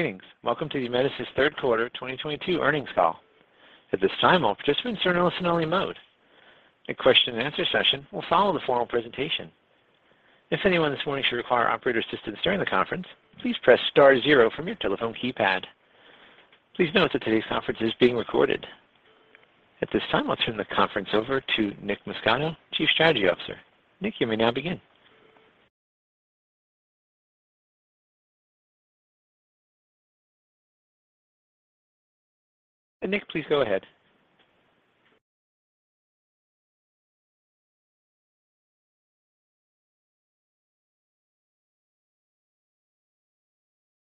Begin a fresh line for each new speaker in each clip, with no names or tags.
Greetings. Welcome to the Amedisys third quarter 2022 earnings call. At this time, all participants are in listen-only mode. A question-and-answer session will follow the formal presentation. If anyone this morning should require operator assistance during the conference, please press star zero from your telephone keypad. Please note that today's conference is being recorded. At this time, I'll turn the conference over to Nick Muscato, Chief Strategy Officer. Nick, you may now begin. Nick, please go ahead.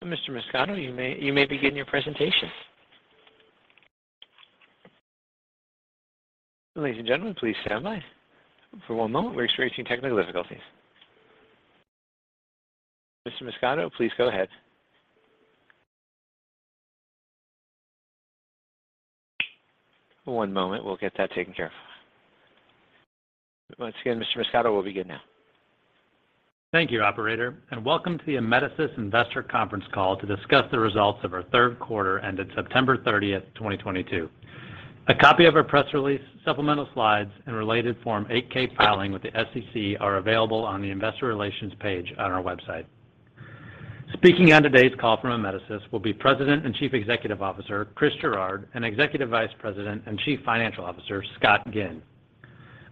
Mr. Muscato, you may begin your presentation.
Thank you, operator, and welcome to the Amedisys Investor Conference Call to discuss the results of our third quarter ended September 30, 2022. A copy of our press release, supplemental slides, and related Form 8-K filing with the SEC are available on the Investor Relations page on our website. Speaking on today's call from Amedisys will be President and Chief Executive Officer, Chris Gerard, and Executive Vice President and Chief Financial Officer, Scott Ginn.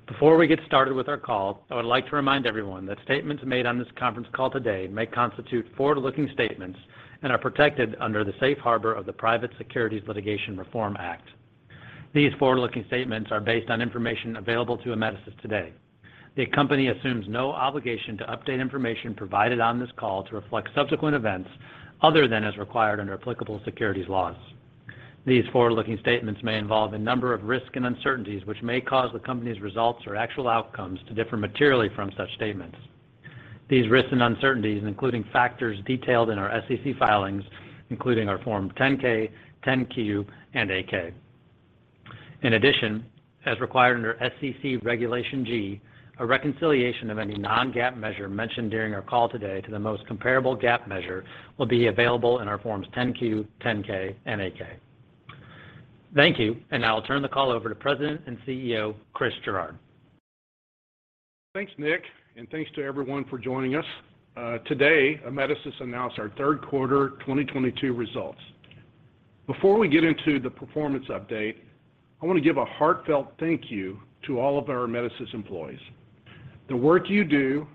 Before we get started with our call, I would like to remind everyone that statements made on this conference call today may constitute forward-looking statements and are protected under the safe harbor of the Private Securities Litigation Reform Act. These forward-looking statements are based on information available to Amedisys today. The company assumes no obligation to update information provided on this call to reflect subsequent events other than as required under applicable securities laws. These forward-looking statements may involve a number of risks and uncertainties which may cause the company's results or actual outcomes to differ materially from such statements. These risks and uncertainties, including factors detailed in our SEC filings, including our Form 10-K, 10-Q, and 8-K. In addition, as required under SEC Regulation G, a reconciliation of any non-GAAP measure mentioned during our call today to the most comparable GAAP measure will be available in our Forms 10-Q, 10-K, and 8-K. Thank you, and now I'll turn the call over to President and CEO, Chris Gerard.
Thanks, Nick, and thanks to everyone for joining us. Today, Amedisys announced our third quarter 2022 results. Before we get into the performance update, I want to give a heartfelt thank you to all of our Amedisys employees. The work you do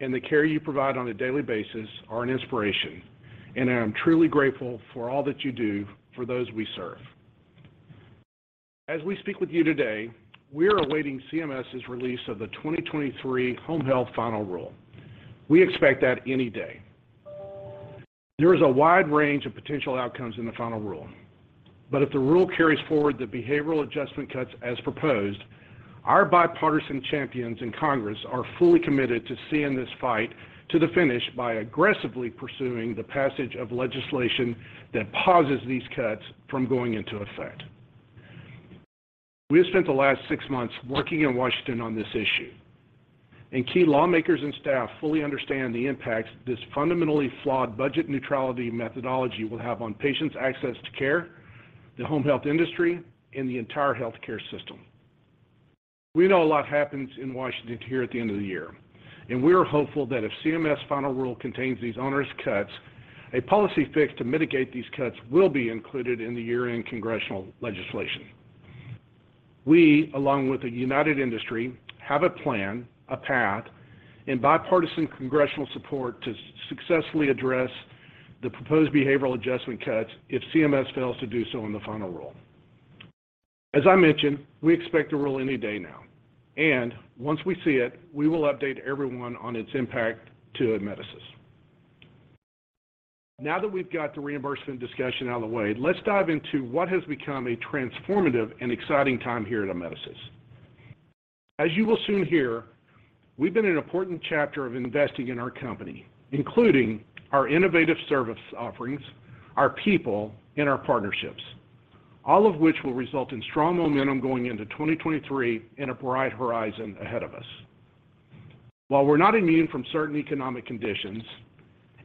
and the care you provide on a daily basis are an inspiration, and I am truly grateful for all that you do for those we serve. As we speak with you today, we are awaiting CMS's release of the 2023 Home Health Final Rule. We expect that any day. There is a wide range of potential outcomes in the Final Rule. If the rule carries forward the behavioral adjustment cuts as proposed, our bipartisan champions in Congress are fully committed to seeing this fight to the finish by aggressively pursuing the passage of legislation that pauses these cuts from going into effect. We have spent the last six months working in Washington on this issue, and key lawmakers and staff fully understand the impacts this fundamentally flawed budget neutrality methodology will have on patients' access to care, the home health industry, and the entire healthcare system. We know a lot happens in Washington here at the end of the year, and we are hopeful that if CMS Final Rule contains these onerous cuts, a policy fix to mitigate these cuts will be included in the year-end congressional legislation. We, along with the united industry, have a plan, a path, and bipartisan congressional support to successfully address the proposed behavioral adjustment cuts if CMS fails to do so in the Final Rule. As I mentioned, we expect the rule any day now, and once we see it, we will update everyone on its impact to Amedisys. Now that we've got the reimbursement discussion out of the way, let's dive into what has become a transformative and exciting time here at Amedisys. As you will soon hear, we've been an important chapter of investing in our company, including our innovative service offerings, our people, and our partnerships, all of which will result in strong momentum going into 2023 and a bright horizon ahead of us. While we're not immune from certain economic conditions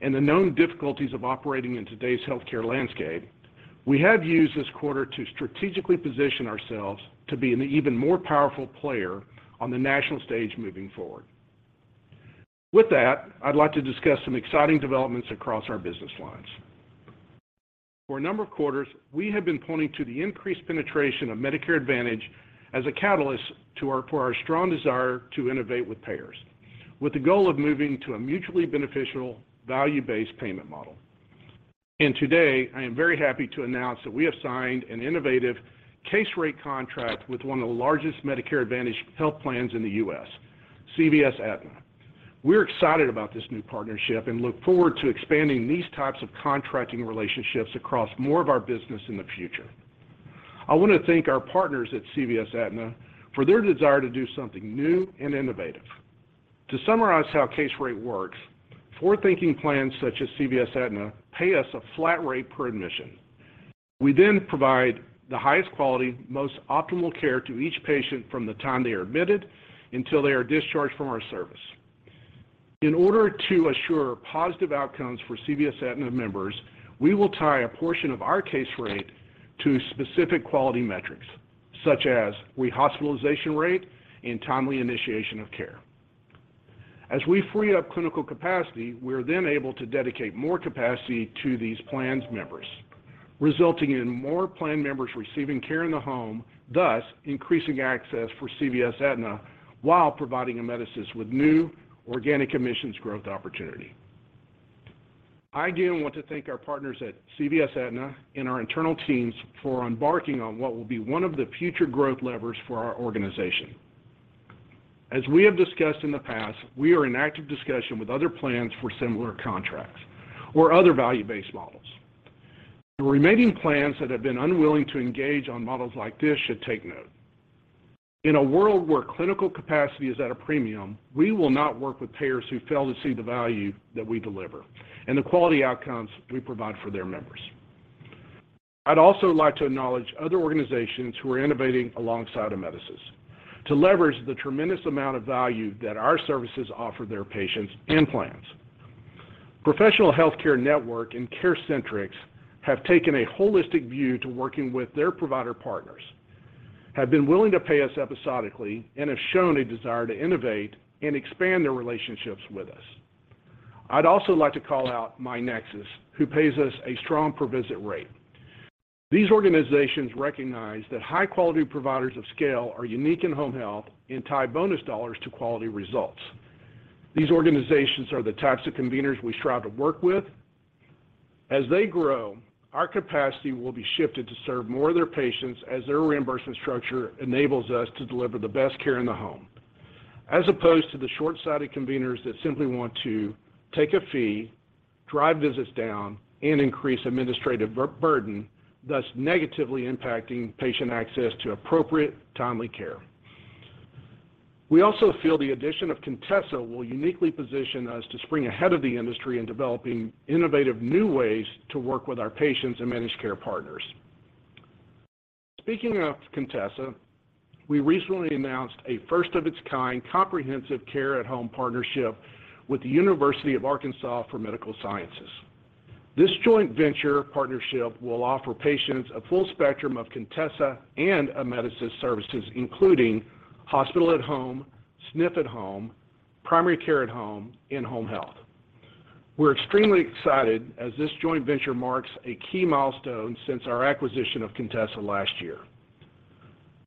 and the known difficulties of operating in today's healthcare landscape, we have used this quarter to strategically position ourselves to be an even more powerful player on the national stage moving forward. With that, I'd like to discuss some exciting developments across our business lines. For a number of quarters, we have been pointing to the increased penetration of Medicare Advantage as a catalyst for our strong desire to innovate with payers, with the goal of moving to a mutually beneficial value-based payment model. Today, I am very happy to announce that we have signed an innovative case rate contract with one of the largest Medicare Advantage health plans in the U.S., CVS Aetna. We're excited about this new partnership and look forward to expanding these types of contracting relationships across more of our business in the future. I want to thank our partners at CVS Aetna for their desire to do something new and innovative. To summarize how case rate works, forward-thinking plans such as CVS Aetna pay us a flat rate per admission. We then provide the highest quality, most optimal care to each patient from the time they are admitted until they are discharged from our service. In order to assure positive outcomes for CVS Aetna members, we will tie a portion of our case rate to specific quality metrics, such as rehospitalization rate and timely initiation of care. As we free up clinical capacity, we are then able to dedicate more capacity to these plans' members, resulting in more plan members receiving care in the home, thus increasing access for CVS Aetna while providing Amedisys with new organic admissions growth opportunity. I do want to thank our partners at CVS Aetna and our internal teams for embarking on what will be one of the future growth levers for our organization. As we have discussed in the past, we are in active discussion with other plans for similar contracts or other value-based models. The remaining plans that have been unwilling to engage on models like this should take note. In a world where clinical capacity is at a premium, we will not work with payers who fail to see the value that we deliver and the quality outcomes we provide for their members. I'd also like to acknowledge other organizations who are innovating alongside Amedisys to leverage the tremendous amount of value that our services offer their patients and plans. Professional Health Care Network and CareCentrix have taken a holistic view to working with their provider partners, have been willing to pay us episodically, and have shown a desire to innovate and expand their relationships with us. I'd also like to call out myNexus, who pays us a strong per visit rate. These organizations recognize that high-quality providers of scale are unique in home health and tie bonus dollars to quality results. These organizations are the types of conveners we strive to work with. As they grow, our capacity will be shifted to serve more of their patients as their reimbursement structure enables us to deliver the best care in the home, as opposed to the short-sighted conveners that simply want to take a fee, drive visits down, and increase administrative burden, thus negatively impacting patient access to appropriate, timely care. We also feel the addition of Contessa will uniquely position us to spring ahead of the industry in developing innovative new ways to work with our patients and managed care partners. Speaking of Contessa, we recently announced a first of its kind comprehensive care at home partnership with the University of Arkansas for Medical Sciences. This joint venture partnership will offer patients a full spectrum of Contessa and Amedisys services, including hospital at home, SNF at Home, primary care at home, and home health. We're extremely excited as this joint venture marks a key milestone since our acquisition of Contessa last year.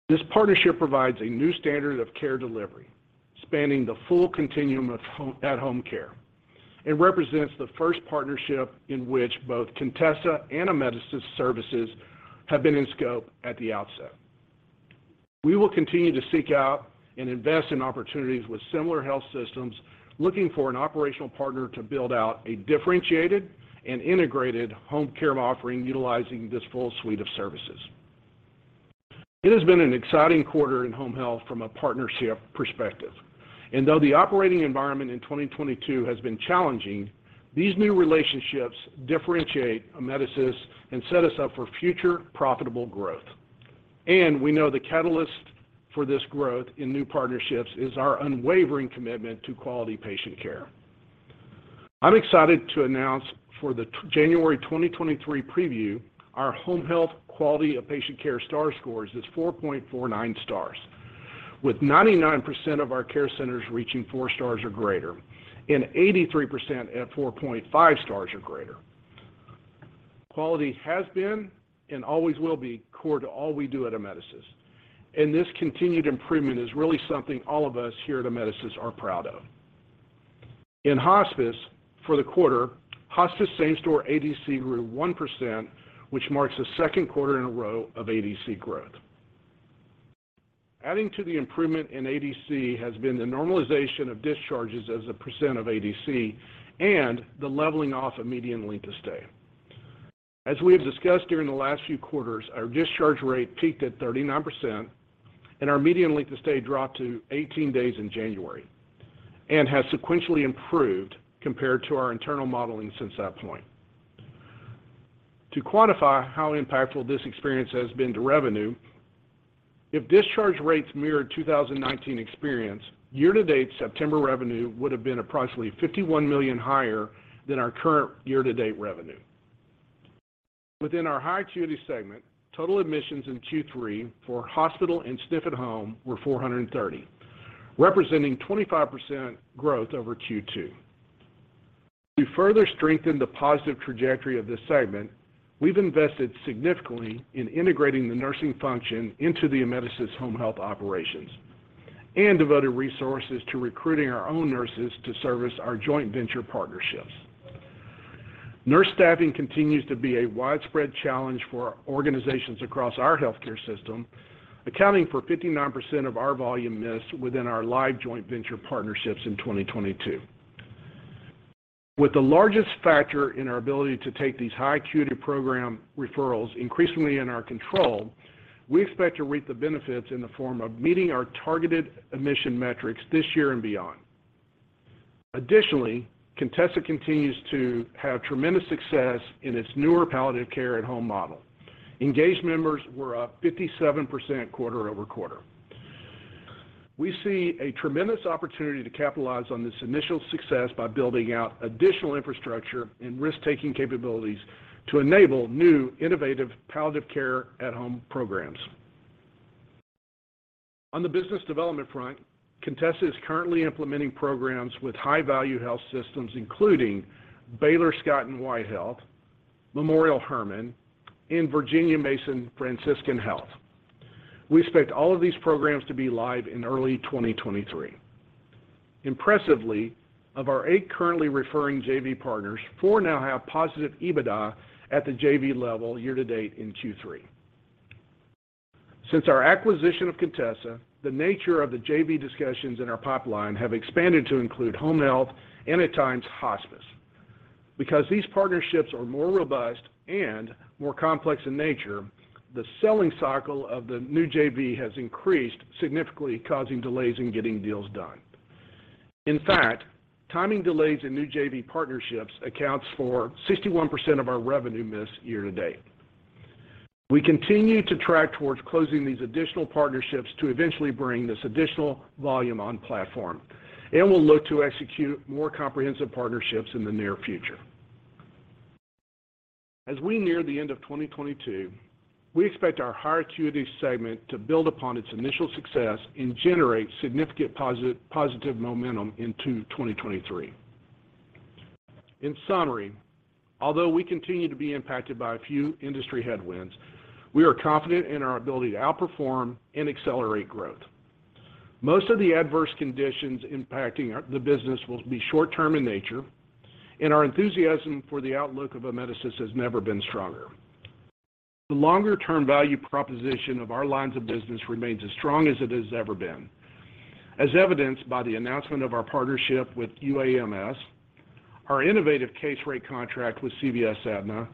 This partnership provides a new standard of care delivery, spanning the full continuum of at-home care, and represents the first partnership in which both Contessa and Amedisys services have been in scope at the outset. We will continue to seek out and invest in opportunities with similar health systems looking for an operational partner to build out a differentiated and integrated home care offering utilizing this full suite of services. It has been an exciting quarter in home health from a partnership perspective. Though the operating environment in 2022 has been challenging, these new relationships differentiate Amedisys and set us up for future profitable growth. We know the catalyst for this growth in new partnerships is our unwavering commitment to quality patient care. I'm excited to announce for the January 2023 preview, our home health quality of patient care star scores is 4.49 stars, with 99% of our care centers reaching 4 stars or greater and 83% at 4.5 stars or greater. Quality has been and always will be core to all we do at Amedisys, and this continued improvement is really something all of us here at Amedisys are proud of. In hospice, for the quarter, hospice same store ADC grew 1%, which marks the second quarter in a row of ADC growth. Adding to the improvement in ADC has been the normalization of discharges as a percent of ADC and the leveling off of median length of stay. As we have discussed during the last few quarters, our discharge rate peaked at 39% and our median length of stay dropped to 18 days in January and has sequentially improved compared to our internal modeling since that point. To quantify how impactful this experience has been to revenue, if discharge rates mirrored 2019 experience, year-to-date September revenue would have been approximately $51 million higher than our current year-to-date revenue. Within our high acuity segment, total admissions in Q3 for hospital and SNF at Home were 430, representing 25% growth over Q2. To further strengthen the positive trajectory of this segment, we've invested significantly in integrating the nursing function into the Amedisys home health operations and devoted resources to recruiting our own nurses to service our joint venture partnerships. Nurse staffing continues to be a widespread challenge for organizations across our healthcare system, accounting for 59% of our volume missed within our live joint venture partnerships in 2022. With the largest factor in our ability to take these high acuity program referrals increasingly in our control, we expect to reap the benefits in the form of meeting our targeted admission metrics this year and beyond. Additionally, Contessa continues to have tremendous success in its newer palliative care at home model. Engaged members were up 57% quarter-over-quarter. We see a tremendous opportunity to capitalize on this initial success by building out additional infrastructure and risk-taking capabilities to enable new innovative palliative care at home programs. On the business development front, Contessa is currently implementing programs with high value health systems, including Baylor Scott & White Health, Memorial Hermann, and Virginia Mason Franciscan Health. We expect all of these programs to be live in early 2023. Impressively, of our eight currently referring JV partners, four now have positive EBITDA at the JV level year to date in Q3. Since our acquisition of Contessa, the nature of the JV discussions in our pipeline have expanded to include home health and, at times, hospice. Because these partnerships are more robust and more complex in nature, the selling cycle of the new JV has increased significantly, causing delays in getting deals done. In fact, timing delays in new JV partnerships accounts for 61% of our revenue miss year to date. We continue to track towards closing these additional partnerships to eventually bring this additional volume on platform, and we'll look to execute more comprehensive partnerships in the near future. As we near the end of 2022, we expect our high acuity segment to build upon its initial success and generate significant positive momentum into 2023. In summary, although we continue to be impacted by a few industry headwinds, we are confident in our ability to outperform and accelerate growth. Most of the adverse conditions impacting the business will be short term in nature, and our enthusiasm for the outlook of Amedisys has never been stronger. The longer-term value proposition of our lines of business remains as strong as it has ever been, as evidenced by the announcement of our partnership with UAMS, our innovative case rate contract with CVS Aetna,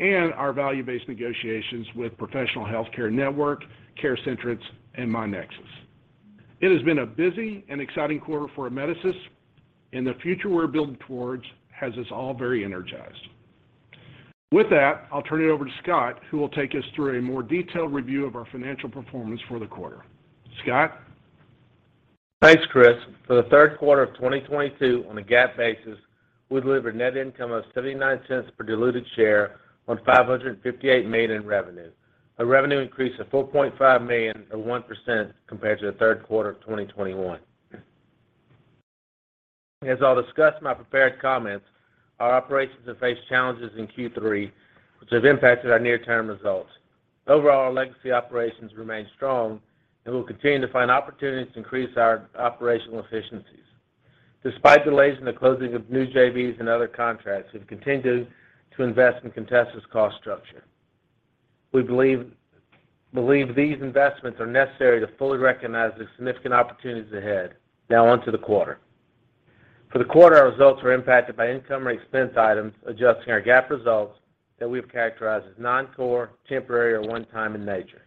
and our value-based negotiations with Professional Health Care Network, CareCentrix, and myNEXUS. It has been a busy and exciting quarter for Amedisys, and the future we're building towards has us all very energized. With that, I'll turn it over to Scott, who will take us through a more detailed review of our financial performance for the quarter. Scott?
Thanks, Chris. For the third quarter of 2022, on a GAAP basis, we delivered net income of $0.79 per diluted share on $558 million in revenue. A revenue increase of $4.5 million, or 1% compared to the third quarter of 2021. As I'll discuss in my prepared comments, our operations have faced challenges in Q3 which have impacted our near-term results. Overall, our legacy operations remain strong, and we'll continue to find opportunities to increase our operational efficiencies. Despite delays in the closing of new JVs and other contracts, we've continued to invest in Contessa's cost structure. We believe these investments are necessary to fully recognize the significant opportunities ahead. Now on to the quarter. For the quarter, our results were impacted by income or expense items, adjusting our GAAP results that we've characterized as non-core, temporary, or one-time in nature.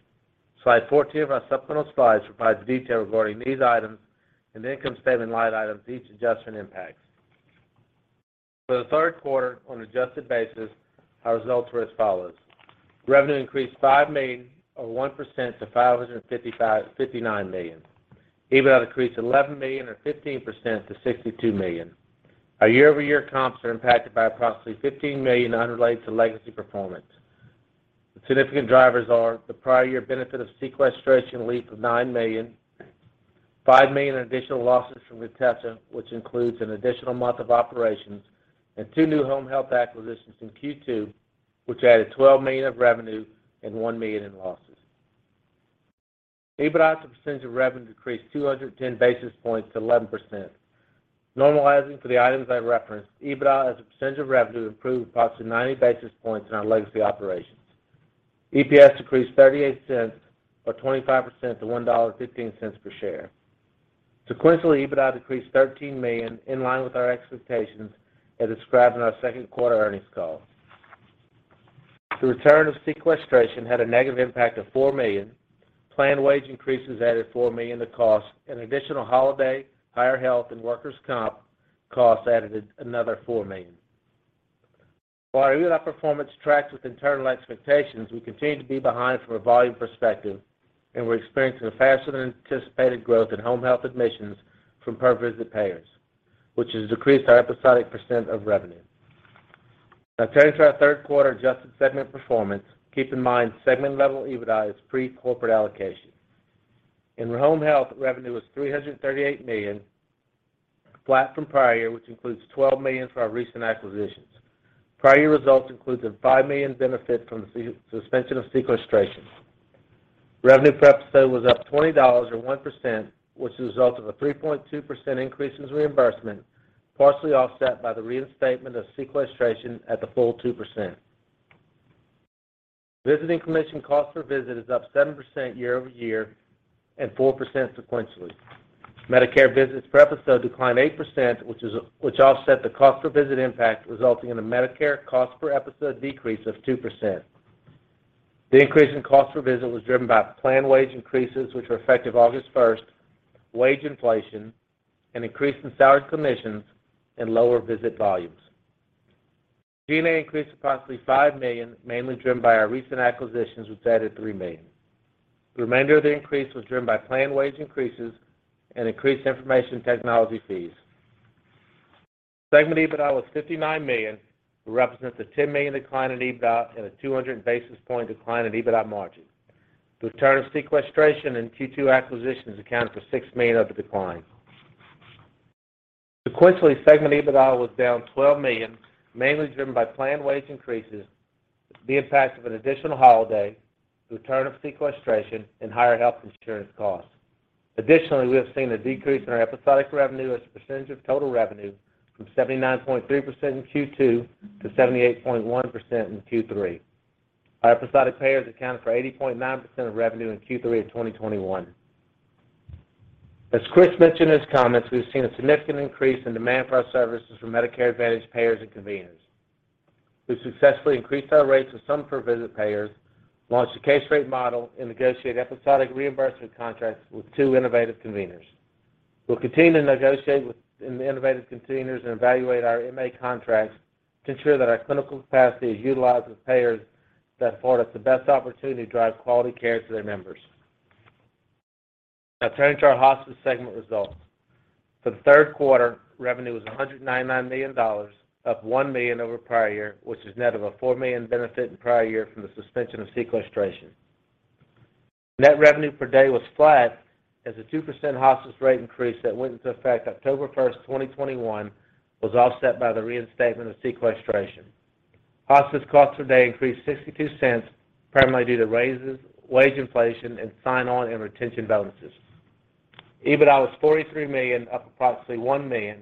Slide 14 of our supplemental slides provides detail regarding these items and the income statement line items each adjustment impacts. For the third quarter on an adjusted basis, our results were as follows. Revenue increased $5 million, or 1% to $559 million. EBITDA decreased $11 million or 15% to $62 million. Our year-over-year comps are impacted by approximately $15 million unrelated to legacy performance. The significant drivers are the prior year benefit of sequestration relief of $9 million, $5 million in additional losses from Contessa, which includes an additional month of operations and two new home health acquisitions in Q2, which added $12 million of revenue and $1 million in losses. EBITDA as a percent of revenue decreased 210 basis points to 11%. Normalizing for the items I referenced, EBITDA as a percentage of revenue improved approximately 90 basis points in our legacy operations. EPS decreased $0.38 or 25% to $1.15 per share. Sequentially, EBITDA decreased $13 million, in line with our expectations, as described in our second quarter earnings call. The return of sequestration had a negative impact of $4 milli on. Planned wage increases added $4 million to cost. An additional holiday, higher health, and workers' comp costs added another $4 million. While our EBITDA performance tracks with internal expectations, we continue to be behind from a volume perspective, and we're experiencing a faster than anticipated growth in home health admissions from per visit payers, which has decreased our episodic percent of revenue. Now turning to our third quarter adjusted segment performance, keep in mind, segment level EBITDA is pre-corporate allocation. In home health, revenue was $338 million, flat from prior year, which includes $12 million for our recent acquisitions. Prior year results included a $5 million benefit from the suspension of sequestration. Revenue per episode was up $20 or 1%, which is the result of a 3.2% increase in reimbursement, partially offset by the reinstatement of sequestration at the full 2%. Visiting clinician cost per visit is up 7% year-over-year and 4% sequentially. Medicare visits per episode declined 8%, which offset the cost per visit impact, resulting in a Medicare cost per episode decrease of 2%. The increase in cost per visit was driven by planned wage increases, which were effective August 1, wage inflation, an increase in salary commissions, and lower visit volumes. G&A increased approximately $5 million, mainly driven by our recent acquisitions, which added $3 million. The remainder of the increase was driven by planned wage increases and increased information technology fees. Segment EBITDA was $59 million, which represents a $10 million decline in EBITDA and a 200 basis point decline in EBITDA margin. The return of sequestration in Q2 acquisitions accounted for $6 million of the decline. Sequentially, segment EBITDA was down $12 million, mainly driven by planned wage increases, the impact of an additional holiday, the return of sequestration, and higher health insurance costs. Additionally, we have seen a decrease in our episodic revenue as a percentage of total revenue from 79.3% in Q2 to 78.1% in Q3. Our episodic payers accounted for 80.9% of revenue in Q3 of 2021. As Chris mentioned in his comments, we've seen a significant increase in demand for our services from Medicare Advantage payers and conveners. We've successfully increased our rates with some per visit payers, launched a case rate model, and negotiated episodic reimbursement contracts with two innovative conv eners. We'll continue to negotiate with the innovative conveners and evaluate our MA contracts to ensure that our clinical capacity is utilized with payers that afford us the best opportunity to drive quality care to their members. Now turning to our hospice segment results. For the third quarter, revenue was $199 million, up $1 million over prior year, which is net of a $4 million benefit in prior year from the suspension of sequestration. Net revenue per day was flat as the 2% hospice rate increase that went into effect October 1, 2021 was offset by the reinstatement of sequestration. Hospice costs per day increased $0.62, primarily due to raises, wage inflation, and sign-on and retention bonuses. EBITDA was $43 million, up approximately $1 million,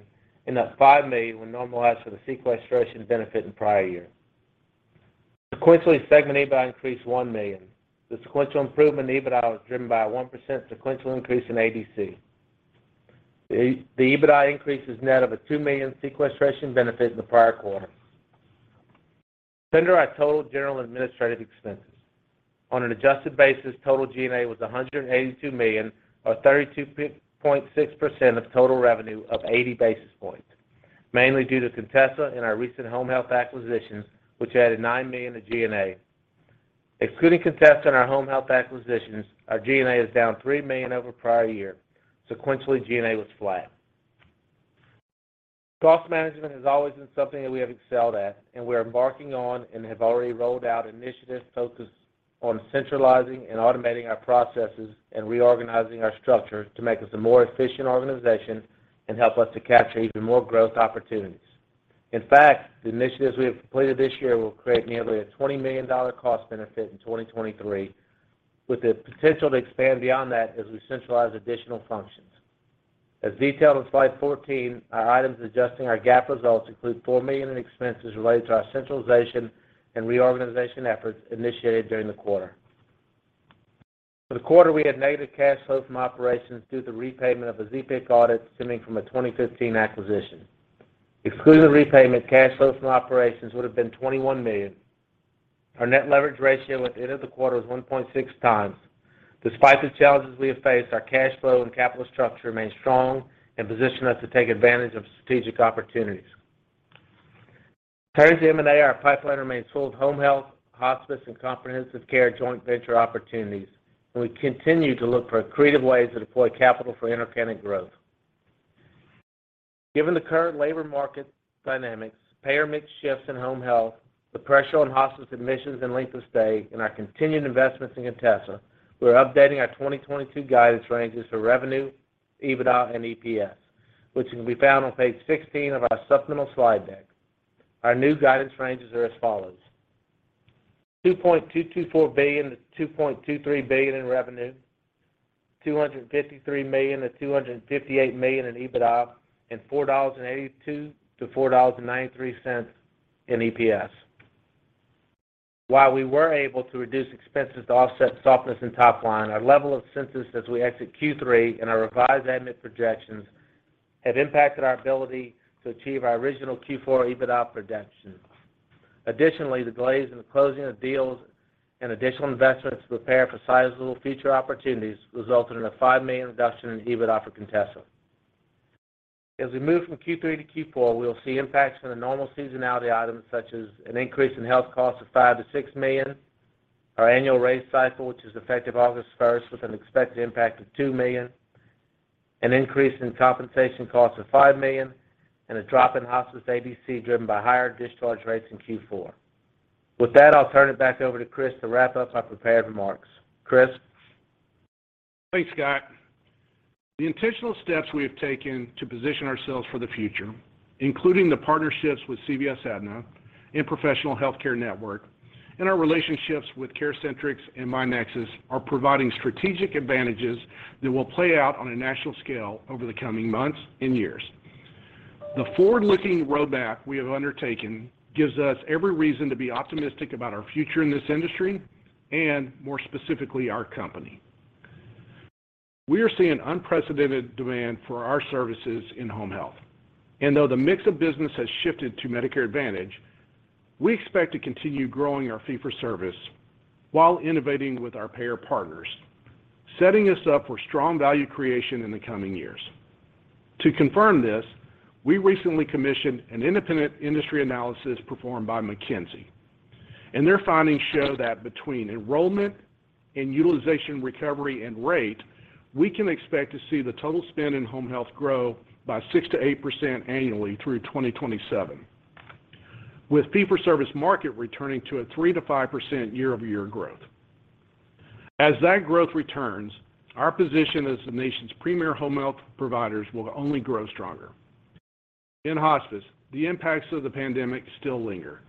and up $5 million when normalized for the sequestration benefit in prior y ear. Sequentially, segment EBITDA increased $1 million. The sequential improvement in EBITDA was driven by a 1% sequential increase in ADC. The EBITDA increase is net of a $2 million sequestration benefit in the prior quarter. Turning to our total general and administrative expenses. On an adjusted basis, total G&A was $182 million, or 32.6% of total revenue up 80 basis points, mainly due to Contessa and our recent home health acquisitions, which added $9 million to G&A. Excluding Contessa and our home health acquisitions, our G&A is down $3 million over prior year. Sequentially, G&A was flat. Cost management has always been something that we have excelled at, and we are embarking on and have already rolled out initiatives focused on centralizing and automating our processes and reorganizing our structure to make us a more efficient organization and help us to capture even more growth opportunities. In fact, the initiatives we have completed this year will create nearly a $20 million cost benefit in 2023, with the potential to expand beyond that as we centralize additional functions. As detailed on slide 14, our items adjusting our GAAP results include $4 million in expenses related to our centralization and reorganization efforts initiated during the quarter. For the quarter, we had negative cash flow from operations due to the repayment of a ZPIC audit stemming from a 2015 acquisition. Excluding the repayment, cash flow from operations would have been $21 million. Our net leverage ratio at the end of the quarter was 1.6 times. Despite the challenges we have faced, our cash flow and capital structure remain strong and position us to take advantage of strategic opportunities. Turning to M&A, our pipeline remains full of home health, hospice, and comprehensive care joint venture opportunities, and we continue to look for creative ways to deploy capital for inorganic growth. Given the current labor market dynamics, payer mix shifts in home health, the pressure on hospice admissions and length of stay, and our continued investments in Contessa, we are updating our 2022 guidance ranges for revenue, EBITDA, and EPS, which can be found on page 16 of our supplemental slide deck. Our new guidance ranges are as follows. $2.224 billion-$2.23 billion in revenue, $253 million-$258 million in EBITDA, and $4.82-$4.93 in EPS. While we were able to reduce expenses to offset softness in top line, our level of census as we exit Q3 and our revised admit projections have impacted our ability to achieve our original Q4 EBITDA projections. Additionally, the delays in the closing of deals and additional investments to prepare for sizable future opportunities resulted in a $5 million reduction in EBITDA for Contessa. As we move from Q3 to Q4, we will see impacts from the normal seasonality items such as an increase in health costs of $5-$6 million, our annual raise cycle, which is effective August first with an expected impact of $2 million, an increase in compensation costs of $5 million, and a drop in hospice ADC driven by higher discharge rates in Q4. With that, I'll turn it back over to Chris to wrap up my prepared remarks. Chris?
Thanks, Scott. The intentional steps we have taken to position ourselves for the future, including the partnerships with CVS Aetna and Professional Health Care Network, and our relationships with CareCentrix and Mynexes, are providing strategic advantages that will play out on a national scale over the coming months and years. The forward-looking roadmap we have undertaken gives us every reason to be optimistic about our future in this industry and, more specifically, our company. We are seeing unprecedented demand for our services in home health. Though the mix of business has shifted to Medicare Advantage, we expect to continue growing our fee-for-service while innovating with our payer partners, setting us up for strong value creation in the coming years. To confirm this, we recently commissioned an independent industry analysis performed by McKinsey, and their findings show that between enrollment and utilization recovery and rate, we can expect to see the total spend in home health grow by 6%-8% annually through 2027, with fee-for-service market returning to a 3%-5% year-over-year growth. As that growth returns, our position as the nation's premier home health providers will only grow stronger. In hospice, the impacts of the pandemic still linger.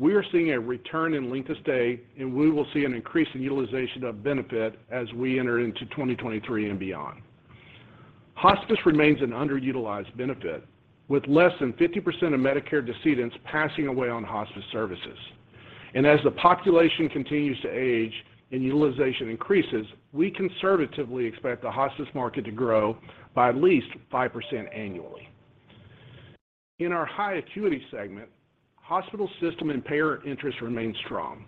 We are seeing a return in length of stay, and we will see an increase in utilization of benefit as we enter into 2023 and beyond. Hospice remains an underutilized benefit, with less than 50% of Medicare decedents passing away on hospice services. As the population continues to age and utilization increases, we conservatively expect the hospice market to grow by at least 5% annually. In our high acuity segment, hospital system and payer interest remains strong,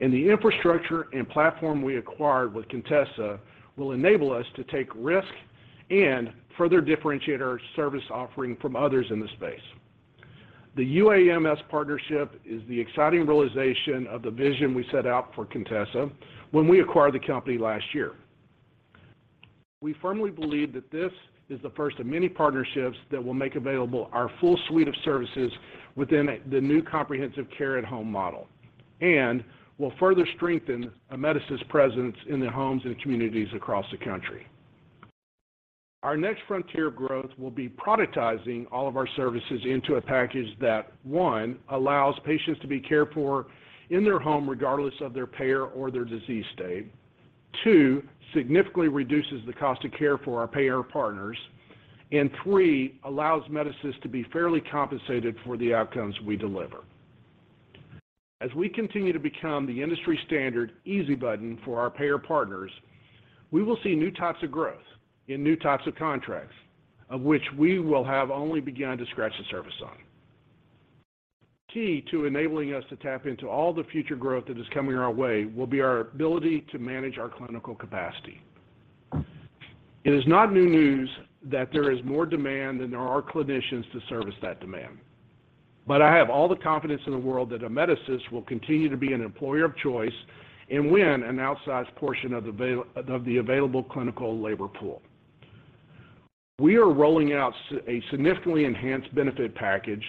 and the infrastructure and platform we acquired with Contessa will enable us to take risk and further differentiate our service offering from others in the space. The UAMS partnership is the exciting realization of the vision we set out for Contessa when we acquired the company last year. We firmly believe that this is the first of many partnerships that will make available our full suite of services within the new comprehensive care at home model and will further strengthen Amedisys' presence in the homes and communities across the country. Our next frontier of growth will be productizing all of our services into a package that, one, allows patients to be cared for in their home regardless of their payer or their disease state. Two, significantly reduces the cost of care for our payer partners. And three, allows Amedisys to be fairly compensated for the outcomes we deliver. As we continue to become the industry standard easy button for our payer partners, we will see new types of growth in new types of contracts of which we will have only begun to scratch the surface on. Key to enabling us to tap into all the future growth that is coming our way will be our ability to manage our clinical capacity. It is not new news that there is more demand than there are clinicians to service that demand. I have all the confidence in the world that Amedisys will continue to be an employer of choice and win an outsized portion of the available clinical labor pool. We are rolling out a significantly enhanced benefit package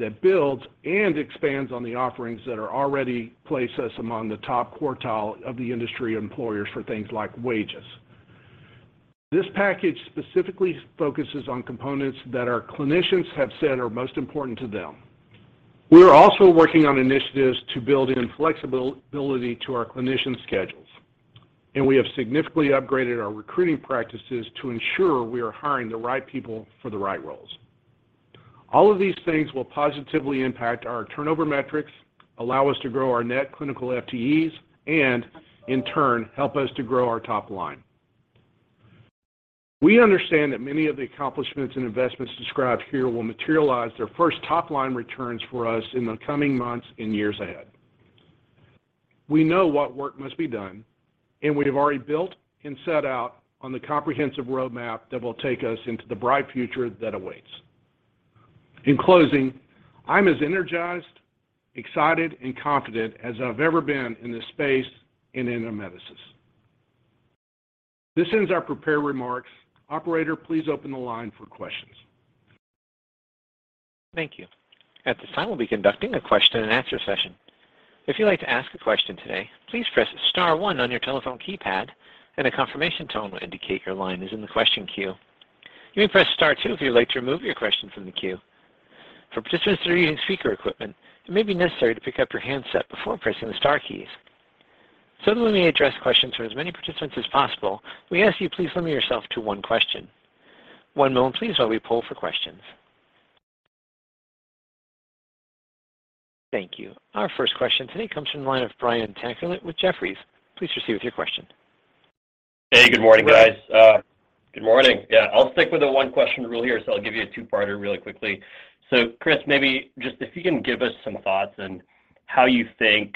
that builds and expands on the offerings that are already in place, us among the top quartile of the industry employers for things like wages. This package specifically focuses on components that our clinicians have said are most important to them. We are also working on initiatives to build in flexibility to our clinicians' schedules, and we have significantly upgraded our recruiting practices to ensure we are hiring the right people for the right roles. All of these things will positively impact our turnover metrics, allow us to grow our net clinical FTEs, and in turn, help us to grow our top line. We understand that many of the accomplishments and investments described here will materialize their first top-line returns for us in the coming months and years ahead. We know what work must be done, and we have already built and set out on the comprehensive roadmap that will take us into the bright future that awaits. In closing, I'm as energized, excited, and confident as I've ever been in this space and in Amedisys. This ends our prepared remarks. Operator, please open the line for questions.
Thank you. At this time, we'll be conducting a question-and-answer session. If you'd like to ask a question today, please press star one on your telephone keypad, and a confirmation tone will indicate your line is in the question queue. You may press star two if you'd like to remove your question from the queue. For participants that are using speaker equipment, it may be necessary to pick up your handset before pressing the star keys. That we may address questions from as many participants as possible, we ask you please limit yourself to one question. One moment, please, while we poll for questions. Thank you. Our first question today comes from the line of Brian Tanquilut with Jefferies. Please proceed with your question.
Hey, good morning, guys. Yeah, I'll stick with the one question rule here, so I'll give you a two-parter really quickly. Chris, maybe just if you can give us some thoughts on how you think,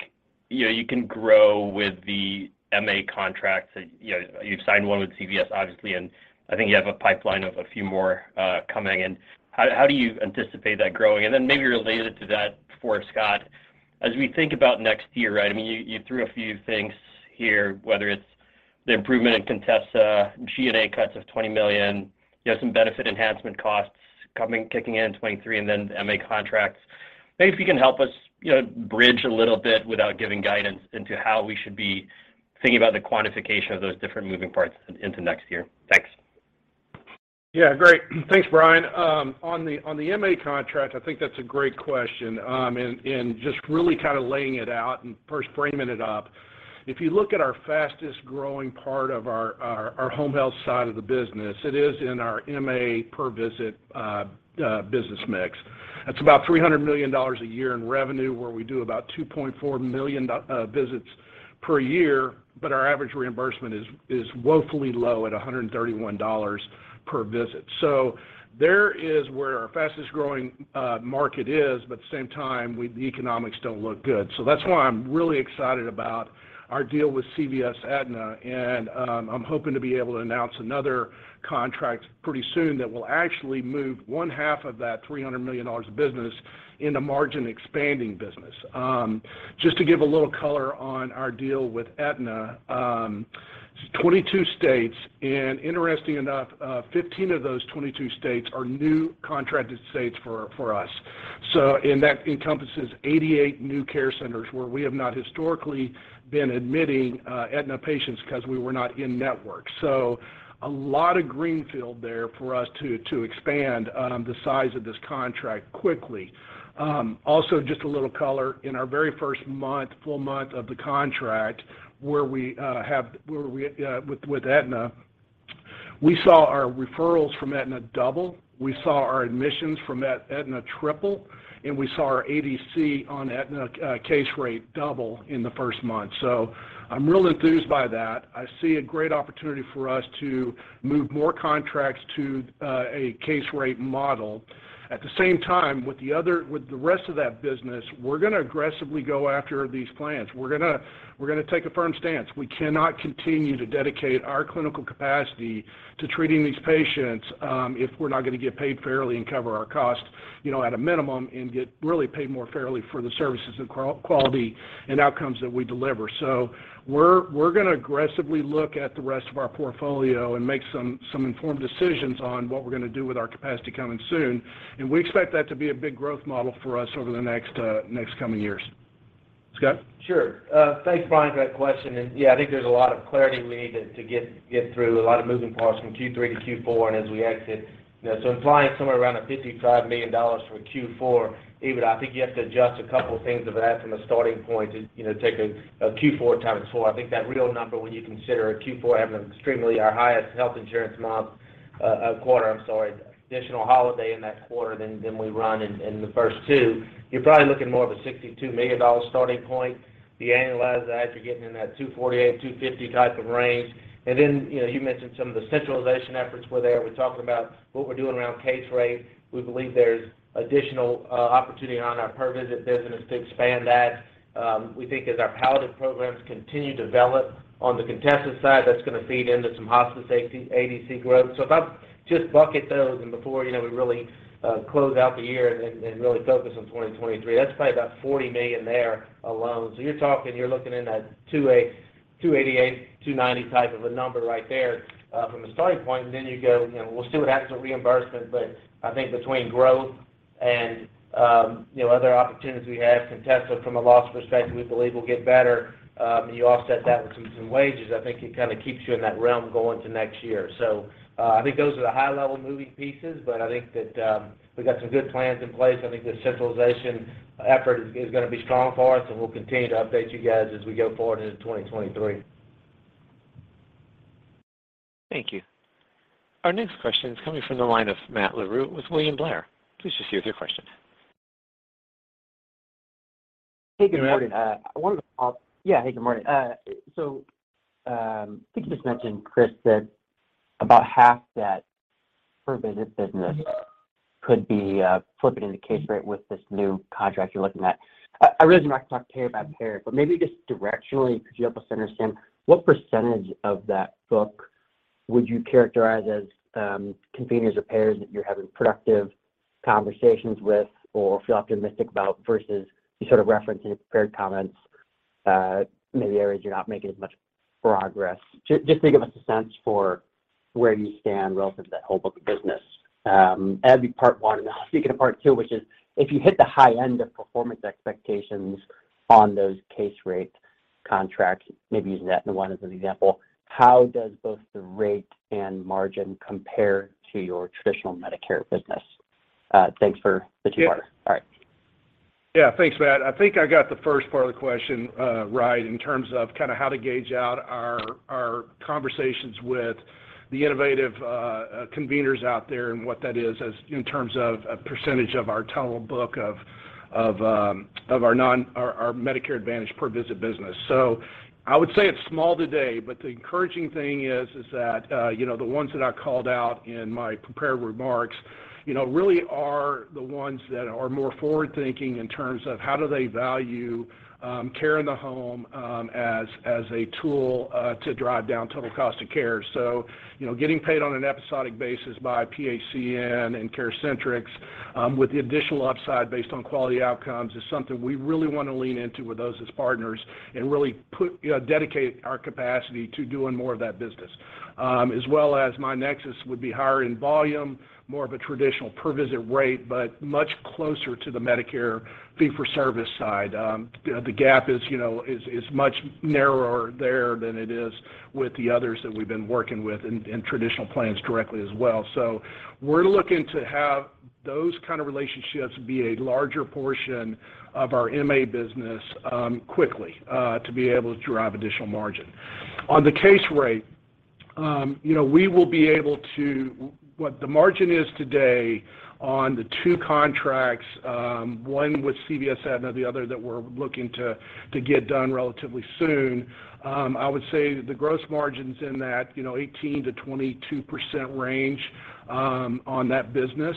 you know, you can grow with the MA contracts that, you know, you've signed one with CVS obviously, and I think you have a pipeline of a few more, coming, and how do you anticipate that growing? Then maybe related to that for Scott, as we think about next year, right, I mean, you threw a few things here, whether it's the improvement in Contessa, G&A cuts of $20 million, you have some benefit enhancement costs coming, kicking in in 2023, and then MA contracts. Maybe if you can help us, you know, bridge a little bit without giving guidance into how we should be thinking about the quantification of those different moving parts into next year. Thanks.
Yeah, great. Thanks, Brian. On the MA contract, I think that's a great question, in just really kind of laying it out and first framing it up. If you look at our fastest-growing part of our home health side of the business, it is in our MA per visit business mix. That's about $300 million a year in revenue, where we do about 2.4 million visits per year, but our average reimbursement is woefully low at $131 per visit. There is where our fastest-growing market is, but at the same time, the economics don't look good. That's why I'm really excited about our deal with CVS Aetna, and I'm hoping to be able to announce another contract pretty soon that will actually move one half of that $300 million of business into margin expanding business. Just to give a little color on our deal with Aetna, 22 states, and interesting enough, 15 of those 22 states are new contracted states for us. That encompasses 88 new care centers where we have not historically been admitting Aetna patients because we were not in network. A lot of greenfield there for us to expand the size of this contract quickly. Also just a little color, in our very first month, full month of the contract where we with Aetna, we saw our referrals from Aetna double. We saw our admissions from Aetna triple, and we saw our ADC on Aetna case rate double in the first month. I'm real enthused by that. I see a great opportunity for us to move more contracts to a case rate model. At the same time, with the rest of that business, we're gonna aggressively go after these plans. We're gonna take a firm stance. We cannot continue to dedicate our clinical capacity to treating these patients if we're not gonna get paid fairly and cover our costs, you know, at a minimum, and get really paid more fairly for the services and quality and outcomes that we deliver. We're gonna aggressively look at the rest of our portfolio and make some informed decisions on what we're gonna do with our capacity coming soon. We expect that to be a big growth model for us over the next coming years. Scott?
Sure. Thanks, Brian, for that question. Yeah, I think there's a lot of clarity we need to get through a lot of moving parts from Q3 to Q4 and as we exit. You know, implying somewhere around $55 million for Q4, even I think you have to adjust a couple of things of that from a starting point to, you know, take a Q4 times four. I think that real number when you consider a Q4 having extremely our highest health insurance quarter, I'm sorry, additional holiday in that quarter than we run in the first two, you're probably looking more of a $62 million starting point. If you annualize that, you're getting in that $248 million-$250 million type of range. You know, you mentioned some of the centralization efforts were there. We talked about what we're doing around case rate. We believe there's additional opportunity around our per visit business to expand that. We think as our palliative programs continue to develop on the Contessa side, that's gonna feed into some hospice ADC growth. If I just bucket those and before, you know, we really close out the year and really focus on 2023, that's probably about $40 million there alone. \You're talking, you're looking in that $280 million-$288 million, $290 million type of a number right there, from a starting point. You go, you know, we'll see what happens with reimbursement. I think between growth and, you know, other opportunities we have, Contessa from a loss perspective, we believe will get better. You offset that with some wages, I think it kinda keeps you in that realm going to next year. I think those are the high level moving pieces, but I think that we've got some good plans in place. I think the centralization effort is gonna be strong for us, and we'll continue to update you guys as we go forward into 2023.
Thank you. Our next question is coming from the line of Matt Larew with William Blair. Please just give your question.
Hey, good morning. So, I think you just mentioned, Chris, that about half that per visit business could be flipping into case rate with this new contract you're looking at. I realize you're not talking pay by payor, but maybe just directionally, could you help us understand what percentage of that book would you characterize as conveners or payors that you're having productive conversations with or feel optimistic about versus you sort of referenced in your prepared comments, maybe areas you're not making as much progress? Just to give us a sense for where you stand relative to that whole book of business. That'd be part one. Speaking of part two, which is if you hit the high end of performance expectations on those case rate contracts, maybe using Aetna one as an example, how does both the rate and margin compare to your traditional Medicare business? Thanks for the two-parter. All right.
Yeah. Thanks, Matt. I think I got the first part of the question right in terms of kinda how to gauge from our conversations with the innovative conveners out there and what that is as in terms of a percentage of our total book of our Medicare Advantage per visit business. I would say it's small today, but the encouraging thing is that you know the ones that I called out in my prepared remarks you know really are the ones that are more forward-thinking in terms of how do they value care in the home as a tool to drive down total cost of care. You know, getting paid on an episodic basis by PHCN and CareCentrix, with the additional upside based on quality outcomes is something we really wanna lean into with those as partners and really dedicate our capacity to doing more of that business. As well as my nexus would be higher in volume, more of a traditional per visit rate, but much closer to the Medicare fee for service side. The gap is, you know, much narrower there than it is with the others that we've been working with and traditional plans directly as well. We're looking to have those kind of relationships be a larger portion of our MA business, quickly, to be able to drive additional margin. On the case rate, what the margin is today on the two contracts, one with CVS Health, and the other that we're looking to get done relatively soon, I would say the gross margins in that 18%-22% range on that business.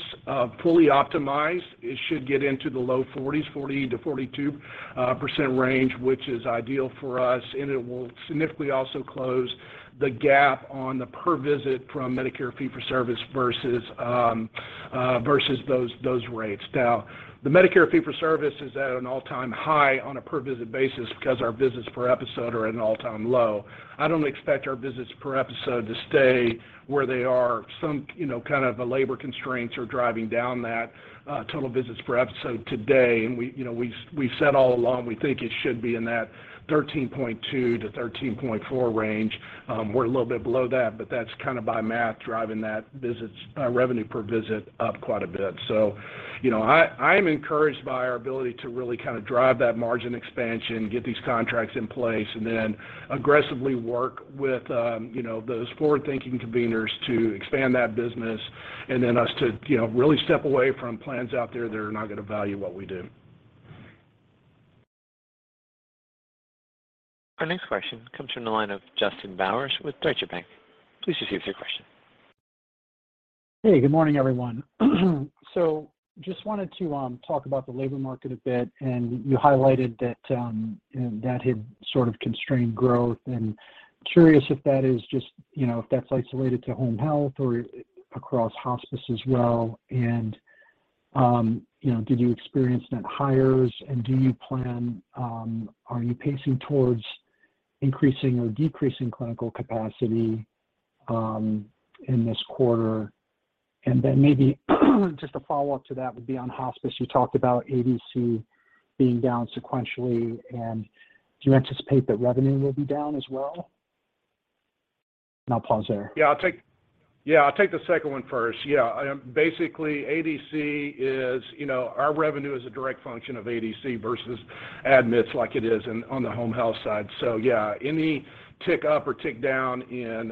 Fully optimized, it should get into the low forties, 40%-42% range, which is ideal for us, and it will significantly also close the gap on the per visit from Medicare fee-for-service versus those rates. Now, the Medicare fee-for-service is at an all-time high on a per-visit basis because our visits per episode are at an all-time low. I don't expect our visits per episode to stay where they are. Some, you know, kind of labor constraints are driving down that total visits per episode today. We, you know, we've said all along, we think it should be in that 13.2-13.4 range. We're a little bit below that, but that's kind of by math driving that revenue per visit up quite a bit. You know, I'm encouraged by our ability to really kind of drive that margin expansion, get these contracts in place, and then aggressively work with, you know, those forward-thinking conveners to expand that business, and then us to, you know, really step away from plans out there that are not gonna value what we do.
Our next question comes from the line of Justin Bowers with Deutsche Bank. Please proceed with your question.
Hey, good morning, everyone. Just wanted to talk about the labor market a bit, and you highlighted that had sort of constrained growth. Curious if that is just, you know, if that's isolated to home health or across hospice as well. You know, did you experience net hires and are you pacing towards increasing or decreasing clinical capacity in this quarter? Maybe just a follow-up to that would be on hospice. You talked about ADC being down sequentially, and do you anticipate that revenue will be down as well? I'll pause there.
Yeah, I'll take the second one first. Basically, ADC is, you know, our revenue is a direct function of ADC versus admits like it is on the home health side. So yeah, any tick up or tick down in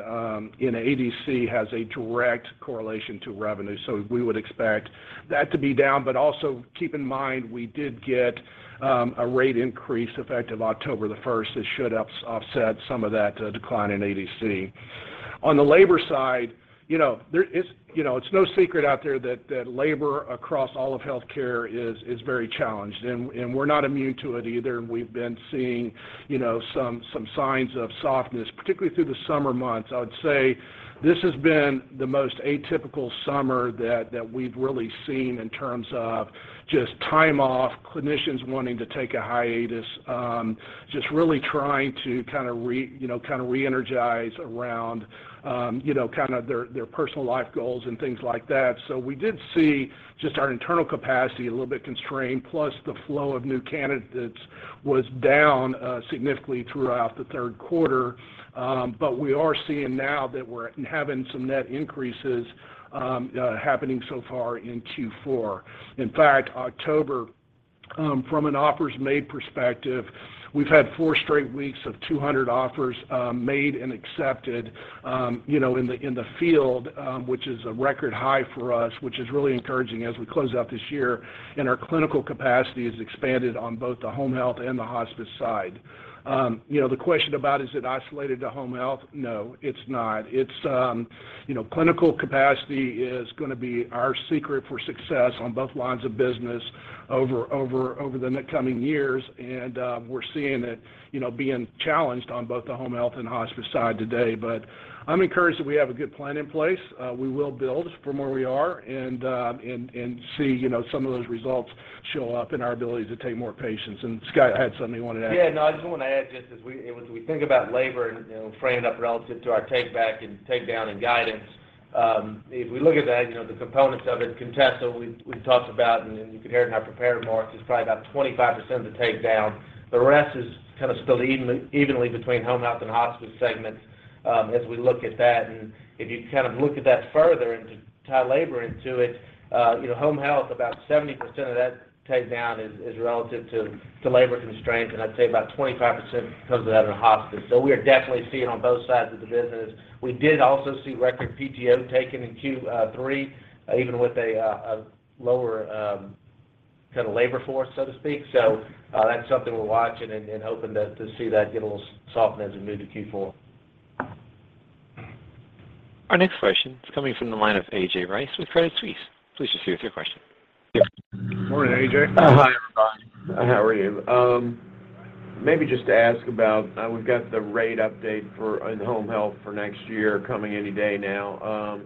ADC has a direct correlation to revenue. So we would expect that to be down, but also keep in mind, we did get a rate increase effective October 1. It should offset some of that decline in ADC. On the labor side, you know, there is, you know, it's no secret out there that labor across all of healthcare is very challenged, and we're not immune to it either. We've been seeing, you know, some signs of softness, particularly through the summer months. I would say this has been the most atypical summer that we've really seen in terms of just time off, clinicians wanting to take a hiatus, just really trying to kind of re-energize around, you know, kind of their personal life goals and things like that. We did see just our internal capacity a little bit constrained, plus the flow of new candidates was down significantly throughout the third quarter. We are seeing now that we're having some net increases happening so far in Q4. In fact, October, from an offers made perspective, we've had 4 straight weeks of 200 offers made and accepted, you know, in the field, which is a record high for us, which is really encouraging as we close out this year, and our clinical capacity has expanded on both the home health and the hospice side. You know, the question about is it isolated to home health? No, it's not. It's you know, clinical capacity is gonna be our secret for success on both lines of business over the next coming years. We're seeing it, you know, being challenged on both the home health and hospice side today. I'm encouraged that we have a good plan in place. We will build from where we are and see, you know, some of those results show up in our ability to take more patients. Scott had something he wanted to add.
I just want to add, when we think about labor and, you know, frame it up relative to our take back and take down in guidance, if we look at that, you know, the components of it, Contessa, we talked about, and you could hear it in our prepared remarks, is probably about 25% of the take down. The rest is kind of split evenly between home health and hospice segments, as we look at that. If you kind of look at that further and tie labor into it, you know, home health, about 70% of that take down is relative to labor constraints, and I'd say about 25% comes out of hospice. We are definitely seeing on both sides of the business. We did also see record PTO taken in Q3, even with a lower kind of labor force, so to speak. That's something we're watching and hoping to see that get a little softened as we move to Q4.
Our next question is coming from the line of A.J. Rice with Credit Suisse. Please proceed with your question.
Yes. Morning, A.J.
Hi, everybody. How are you? Maybe just to ask about we've got the rate update for home health for next year coming any day now.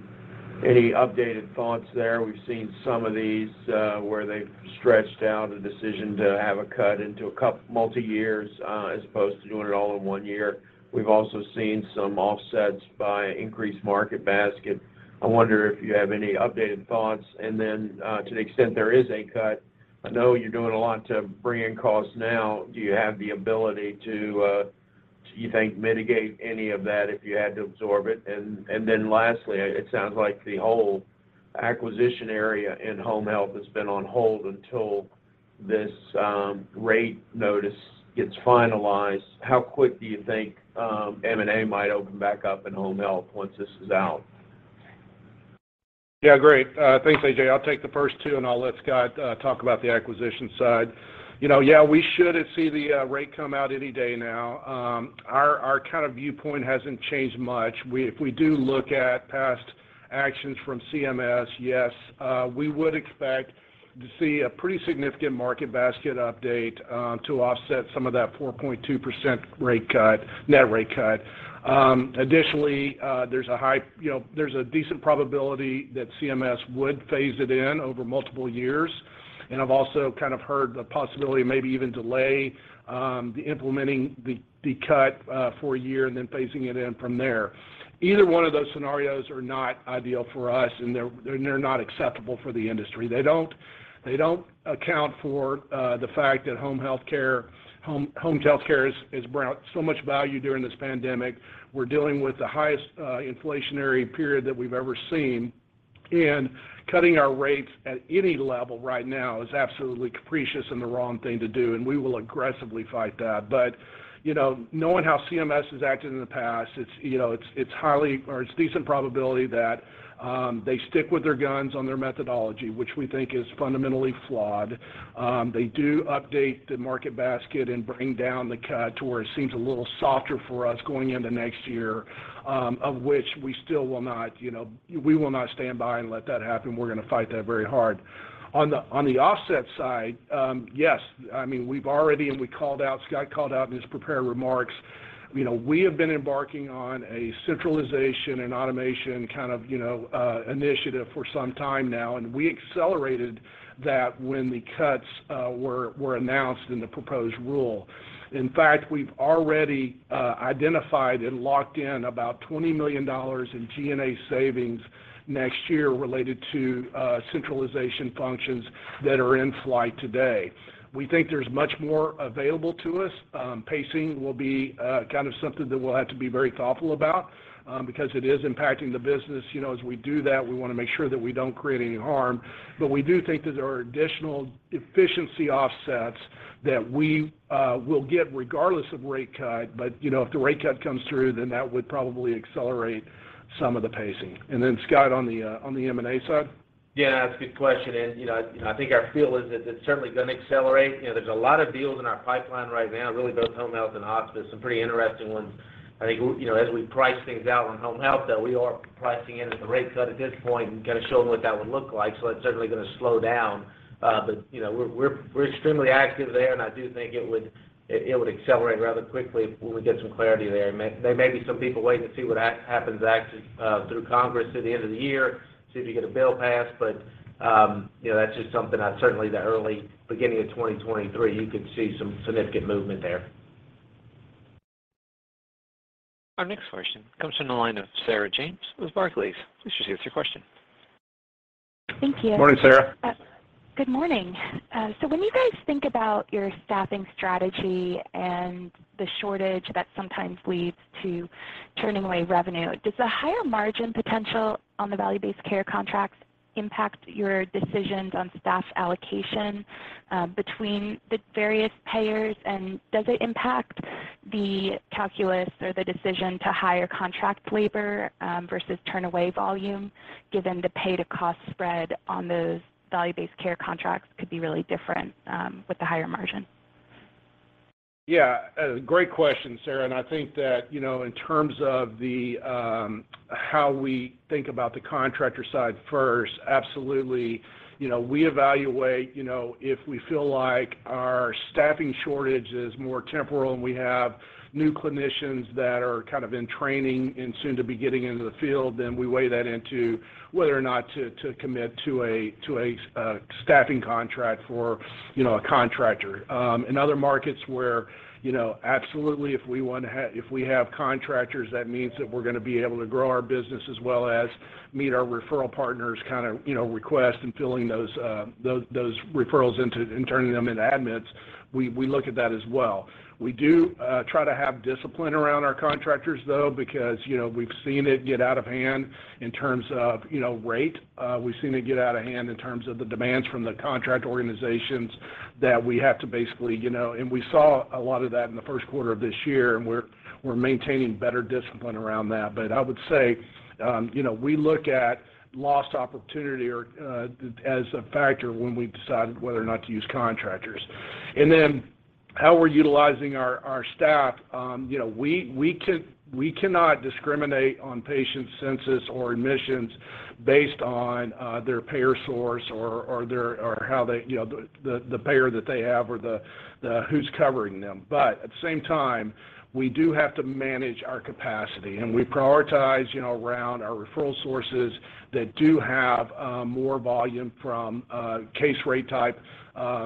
Any updated thoughts there? We've seen some of these where they've stretched out a decision to have a cut into a couple multi years as opposed to doing it all in one year. We've also seen some offsets by increased market basket. I wonder if you have any updated thoughts. Then to the extent there is a cut, I know you're doing a lot to rein in costs now. Do you have the ability to, do you think, mitigate any of that if you had to absorb it? Then lastly, it sounds like the whole acquisition area in home health has been on hold until this rate notice gets finalized, how quick do you think M&A might open back up in home health once this is out?
Yeah, great. Thanks, AJ. I'll take the first two, and I'll let Scott talk about the acquisition side. You know, yeah, we should see the rate come out any day now. Our kind of viewpoint hasn't changed much. If we do look at past actions from CMS, yes, we would expect to see a pretty significant market basket update to offset some of that 4.2% rate cut, net rate cut. Additionally, there's a decent probability that CMS would phase it in over multiple years, and I've also kind of heard the possibility maybe even delay implementing the cut for a year and then phasing it in from there. Either one of those scenarios are not ideal for us, and they're not acceptable for the industry. They don't account for the fact that home health care has brought so much value during this pandemic. We're dealing with the highest inflationary period that we've ever seen, and cutting our rates at any level right now is absolutely capricious and the wrong thing to do, and we will aggressively fight that. You know, knowing how CMS has acted in the past, it's highly or it's decent probability that they stick with their guns on their methodology, which we think is fundamentally flawed. They do update the market basket and bring down the cut to where it seems a little softer for us going into next year, of which we still will not stand by and let that happen. We're gonna fight that very hard. On the offset side, yes, I mean, Scott called out in his prepared remarks, you know, we have been embarking on a centralization and automation kind of, you know, initiative for some time now, and we accelerated that when the cuts were announced in the proposed rule. In fact, we've already identified and locked in about $20 million in G&A savings next year related to centralization functions that are in flight today. We think there's much more available to us. Pacing will be kind of something that we'll have to be very thoughtful about, because it is impacting the business. You know, as we do that, we wanna make sure that we don't create any harm. We do think that there are additional efficiency offsets that we will get regardless of rate cut. You know, if the rate cut comes through, that would probably accelerate some of the pacing. Scott, on the M&A side?
Yeah. That's a good question. You know, I think our feel is that it's certainly gonna accelerate. You know, there's a lot of deals in our pipeline right now, really both home health and hospice, some pretty interesting ones. I think, you know, as we price things out on home health, though, we are pricing in with the rate cut at this point and kinda showing what that would look like, so that's certainly gonna slow down. But, you know, we're extremely active there, and I do think it would accelerate rather quickly when we get some clarity there. There may be some people waiting to see what happens actually through Congress through the end of the year, see if you get a bill passed. You know, that's just something I'd certainly the early beginning of 2023, you could see some significant movement there.
Our next question comes from the line of Sarah James with Barclays. Please just state your question.
Thank you.
Morning, Sarah.
Good morning. When you guys think about your staffing strategy and the shortage that sometimes leads to turning away revenue, does the higher margin potential on the value-based care contracts impact your decisions on staff allocation between the various payers? Does it impact the calculus or the decision to hire contract labor versus turn away volume, given the pay-to-cost spread on those value-based care contracts could be really different with the higher margin?
Yeah. Great question, Sarah. I think that, you know, in terms of the how we think about the contractor side first, absolutely. You know, we evaluate, you know, if we feel like our staffing shortage is more temporal, and we have new clinicians that are kind of in training and soon to be getting into the field, then we weigh that into whether or not to commit to a staffing contract for, you know, a contractor. In other markets where, you know, absolutely if we have contractors, that means that we're going to be able to grow our business as well as meet our referral partners' kind of, you know, request in filling those referrals into and turning them into admits, we look at that as well. We do try to have discipline around our contractors, though, because, you know, we've seen it get out of hand in terms of, you know, rate. We've seen it get out of hand in terms of the demands from the contract organizations that we have to basically, you know. We saw a lot of that in the first quarter of this year, and we're maintaining better discipline around that. I would say, you know, we look at lost opportunity as a factor when we decide whether or not to use contractors. Then how we're utilizing our staff, you know, we cannot discriminate on patient census or admissions based on their payer source or their, or how they, you know, the payer that they have or the who's covering them. At the same time, we do have to manage our capacity, and we prioritize, you know, around our referral sources that do have more volume from case rate type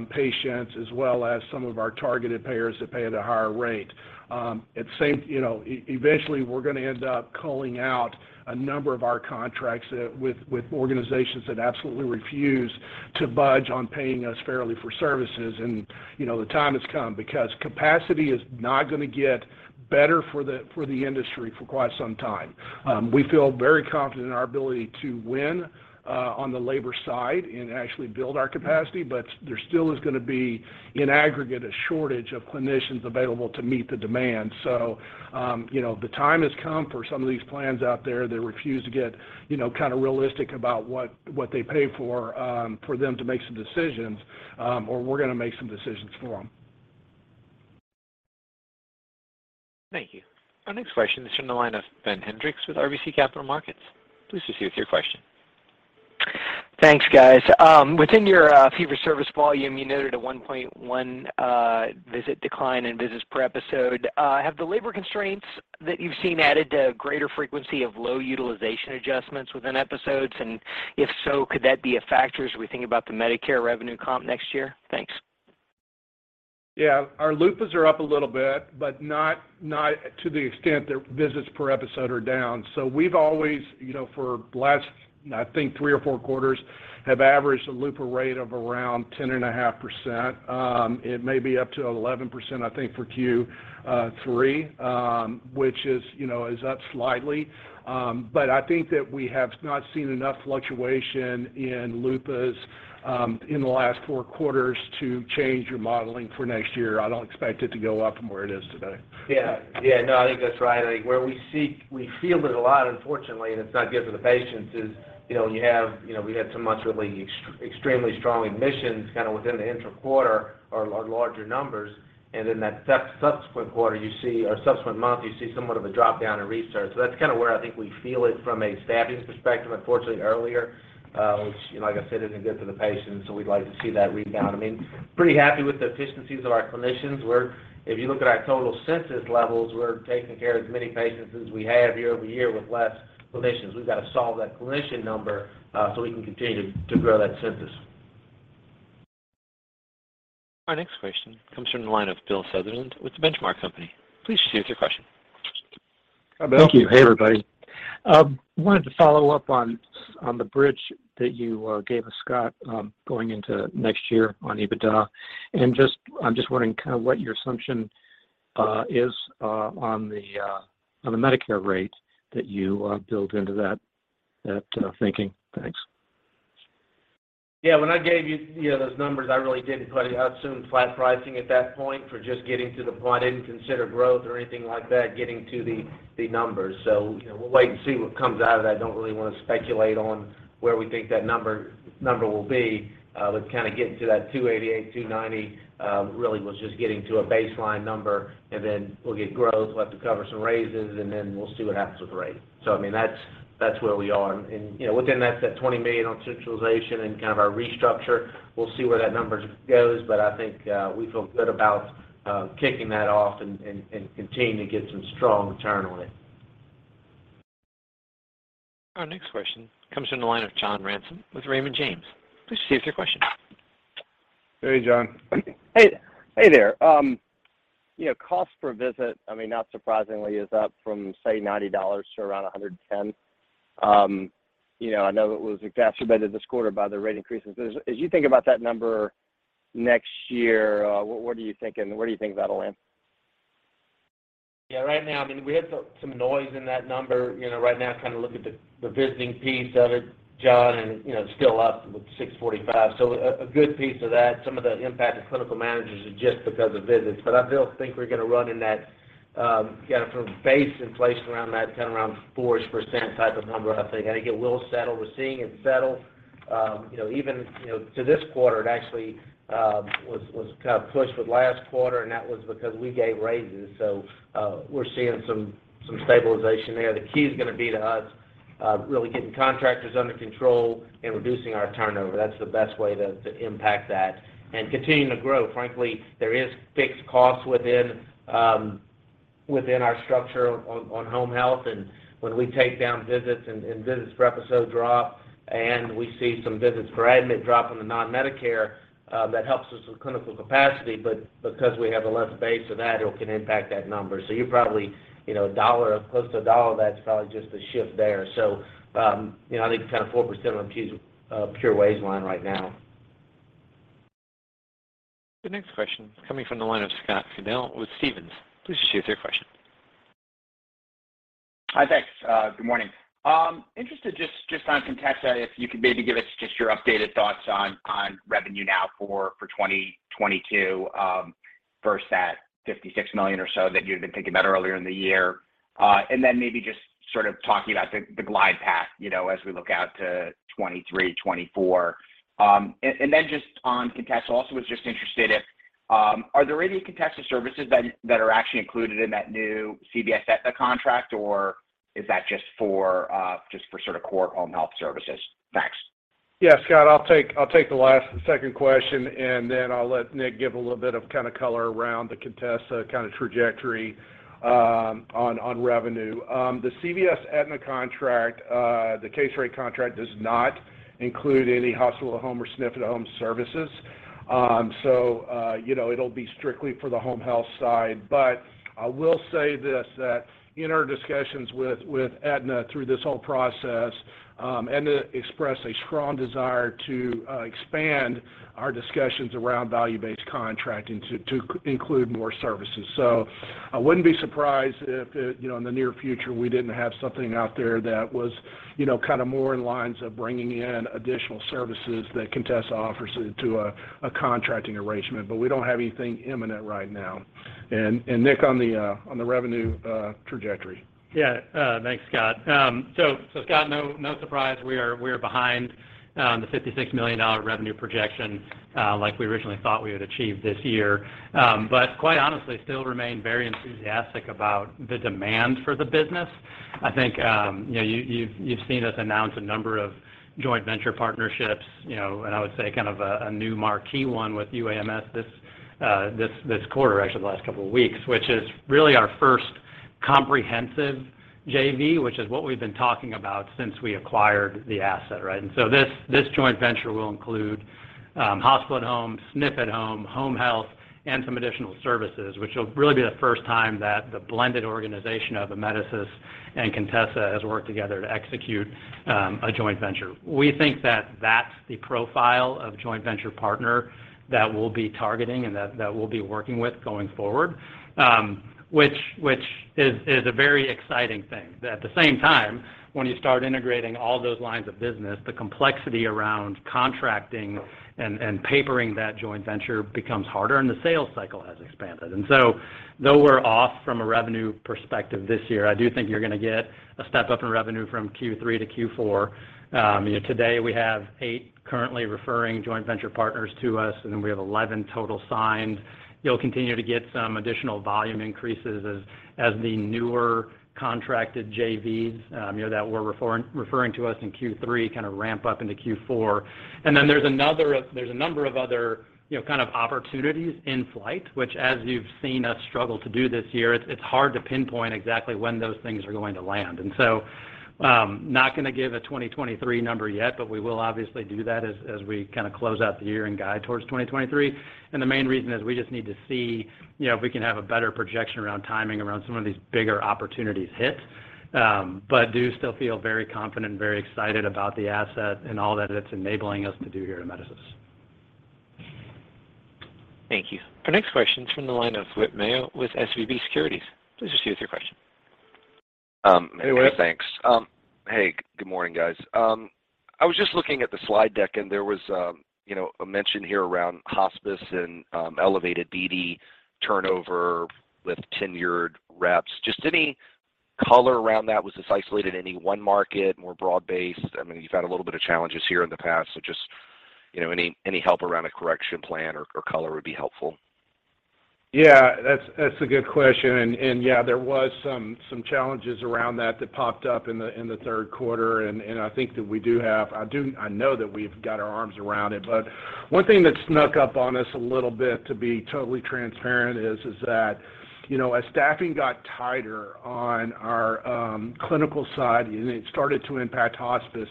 patients as well as some of our targeted payers that pay at a higher rate. At the same, you know, eventually, we're gonna end up culling out a number of our contracts with organizations that absolutely refuse to budge on paying us fairly for services. You know, the time has come because capacity is not gonna get better for the industry for quite some time. We feel very confident in our ability to win on the labor side and actually build our capacity, but there still is gonna be, in aggregate, a shortage of clinicians available to meet the demand. you know, the time has come for some of these plans out there that refuse to get, you know, kinda realistic about what they pay for them to make some decisions, or we're gonna make some decisions for them.
Thank you. Our next question is from the line of Ben Hendrix with RBC Capital Markets. Please proceed with your question.
Thanks, guys. Within your fee-for-service volume, you noted a 1.1 visit decline in visits per episode. Have the labor constraints that you've seen added to greater frequency of low utilization adjustments within episodes? If so, could that be a factor as we think about the Medicare revenue comp next year? Thanks.
Yeah. Our LUPAs are up a little bit, but not to the extent that visits per episode are down. We've always, you know, for the last, I think, three or four quarters have averaged a LUPA rate of around 10.5%. It may be up to 11%, I think, for Q3, which, you know, is up slightly. I think that we have not seen enough fluctuation in LUPAs in the last four quarters to change your modeling for next year. I don't expect it to go up from where it is today.
Yeah. Yeah. No, I think that's right. I think where we see we feel it a lot, unfortunately, and it's not good for the patients, is, you know, you have, you know, we had some months really extremely strong admissions kind of within the intra-quarter or larger numbers. In that subsequent quarter, you see, or subsequent month, you see somewhat of a drop-down in resources. That's kind of where I think we feel it from a staffing perspective, unfortunately, earlier, which, you know, like I said, isn't good for the patients, so we'd like to see that rebound. I mean, pretty happy with the efficiencies of our clinicians. If you look at our total census levels, we're taking care of as many patients as we have year-over-year with less clinicians. We've got to solve that clinician number, so we can continue to grow that census.
Our next question comes from the line of Bill Sutherland with The Benchmark Company. Please proceed with your question.
Hi, Bill.
Thank you. Hey, everybody. Wanted to follow up on the bridge that you gave us, Scott, going into next year on EBITDA. I'm just wondering kind of what your assumption is on the Medicare rate that you built into that thinking. Thanks.
Yeah, when I gave you know, those numbers, I really didn't put any. I assumed flat pricing at that point for just getting to the point. I didn't consider growth or anything like that, getting to the numbers. You know, we'll wait and see what comes out of that. I don't really want to speculate on where we think that number will be. But to kind of get to that 288-290, really was just getting to a baseline number, and then we'll get growth. We'll have to cover some raises, and then we'll see what happens with the rate. I mean, that's where we are. And you know, within that $20 million on centralization and kind of our restructure, we'll see where that number goes. I think we feel good about kicking that off and continuing to get some strong return on it.
Our next question comes from the line of John Ransom with Raymond James. Please proceed with your question.
Hey, John.
Hey there. You know, cost per visit, I mean, not surprisingly, is up from, say, $90 to around $110. You know, I know it was exacerbated this quarter by the rate increases. As you think about that number next year, what are you thinking? Where do you think that'll land?
Yeah, right now, I mean, we had some noise in that number. You know, right now kind of looking at the visiting piece of it, John, and you know, it's still up with 645. A good piece of that, some of the impact of clinical managers is just because of visits. I still think we're gonna run in that, you know, from a base inflation around that, kind of around 4-ish% type of number, I think. It gets a little settled. We're seeing it settle. You know, even to this quarter, it actually was kind of pushed with last quarter, and that was because we gave raises. We're seeing some stabilization there. The key is gonna be to us, really getting contractors under control and reducing our turnover. That's the best way to impact that and continuing to grow. Frankly, there is fixed costs within our structure on home health. When we take down visits and visits per episode drop, and we see some visits per admit drop in the non-Medicare, that helps us with clinical capacity. Because we have a lower base of that, it can impact that number. You're probably, you know, $1 or close to $1 of that's probably just the shift there. You know, I think it's kind of 4% on Q2's pure wage line right now.
The next question coming from the line of Scott Fidel with Stephens. Please proceed with your question.
Hi, thanks. Good morning. Interested just on Contessa, if you could maybe give us just your updated thoughts on revenue now for 2022 versus that $56 million or so that you'd been thinking about earlier in the year. Maybe just sort of talking about the glide path, you know, as we look out to 2023, 2024. Just on Contessa, also was just interested if are there any Contessa services that are actually included in that new CVS Aetna contract, or is that just for sort of core home health services? Thanks.
Yeah, Scott, I'll take the last second question, and then I'll let Nick give a little bit of kind of color around the Contessa kind of trajectory on revenue. The CVS Aetna contract, the case rate contract does not include any hospital at home or SNF at Home services. So, you know, it'll be strictly for the home health side. But I will say this, that in our discussions with Aetna through this whole process, Aetna expressed a strong desire to expand our discussions around value-based contracting to include more services. So I wouldn't be surprised if it, you know, in the near future, we didn't have something out there that was, you know, kind of more along the lines of bringing in additional services that Contessa offers into a contracting arrangement. We don't have anything imminent right now. Nick, on the revenue trajectory.
Yeah. Thanks, Scott. So Scott, no surprise, we are behind the $56 million revenue projection, like we originally thought we would achieve this year. Quite honestly, still remain very enthusiastic about the demand for the business. I think, you know, you've seen us announce a number of joint venture partnerships, you know, and I would say kind of a new marquee one with UAMS this quarter, actually the last couple of weeks, which is really our first Comprehensive JV, which is what we've been talking about since we acquired the asset, right? This joint venture will include hospice at home, SNF at Home, home health, and some additional services, which will really be the first time that the blended organization of Amedisys and Contessa has worked together to execute a joint venture. We think that that's the profile of joint venture partner that we'll be targeting and that we'll be working with going forward, which is a very exciting thing. At the same time, when you start integrating all those lines of business, the complexity around contracting and papering that joint venture becomes harder and the sales cycle has expanded. Though we're off from a revenue perspective this year, I do think you're gonna get a step up in revenue from Q3 to Q4. You know, today we have 8 currently referring joint venture partners to us, and then we have 11 total signed. You'll continue to get some additional volume increases as the newer contracted JVs that were referring to us in Q3 kind of ramp up into Q4. Then there's a number of other, you know, kind of opportunities in flight, which as you've seen us struggle to do this year, it's hard to pinpoint exactly when those things are going to land. Not gonna give a 2023 number yet, but we will obviously do that as we kinda close out the year and guide towards 2023. The main reason is we just need to see, you know, if we can have a better projection around timing around some of these bigger opportunities hit. do still feel very confident and very excited about the asset and all that it's enabling us to do here at Amedisys.
Thank you. Our next question is from the line of Whit Mayo with SVB Securities. Please proceed with your question.
Hey, Whit. Thanks. Hey, good morning, guys. I was just looking at the slide deck, and there was, you know, a mention here around hospice and elevated BD turnover with tenured reps. Just any color around that. Was this isolated in any one market, more broad-based? I mean, you've had a little bit of challenges here in the past, so just, you know, any help around a correction plan or color would be helpful.
Yeah. That's a good question. Yeah, there was some challenges around that that popped up in the third quarter, and I know that we've got our arms around it. But one thing that snuck up on us a little bit, to be totally transparent, is that, you know, as staffing got tighter on our clinical side, it started to impact hospice.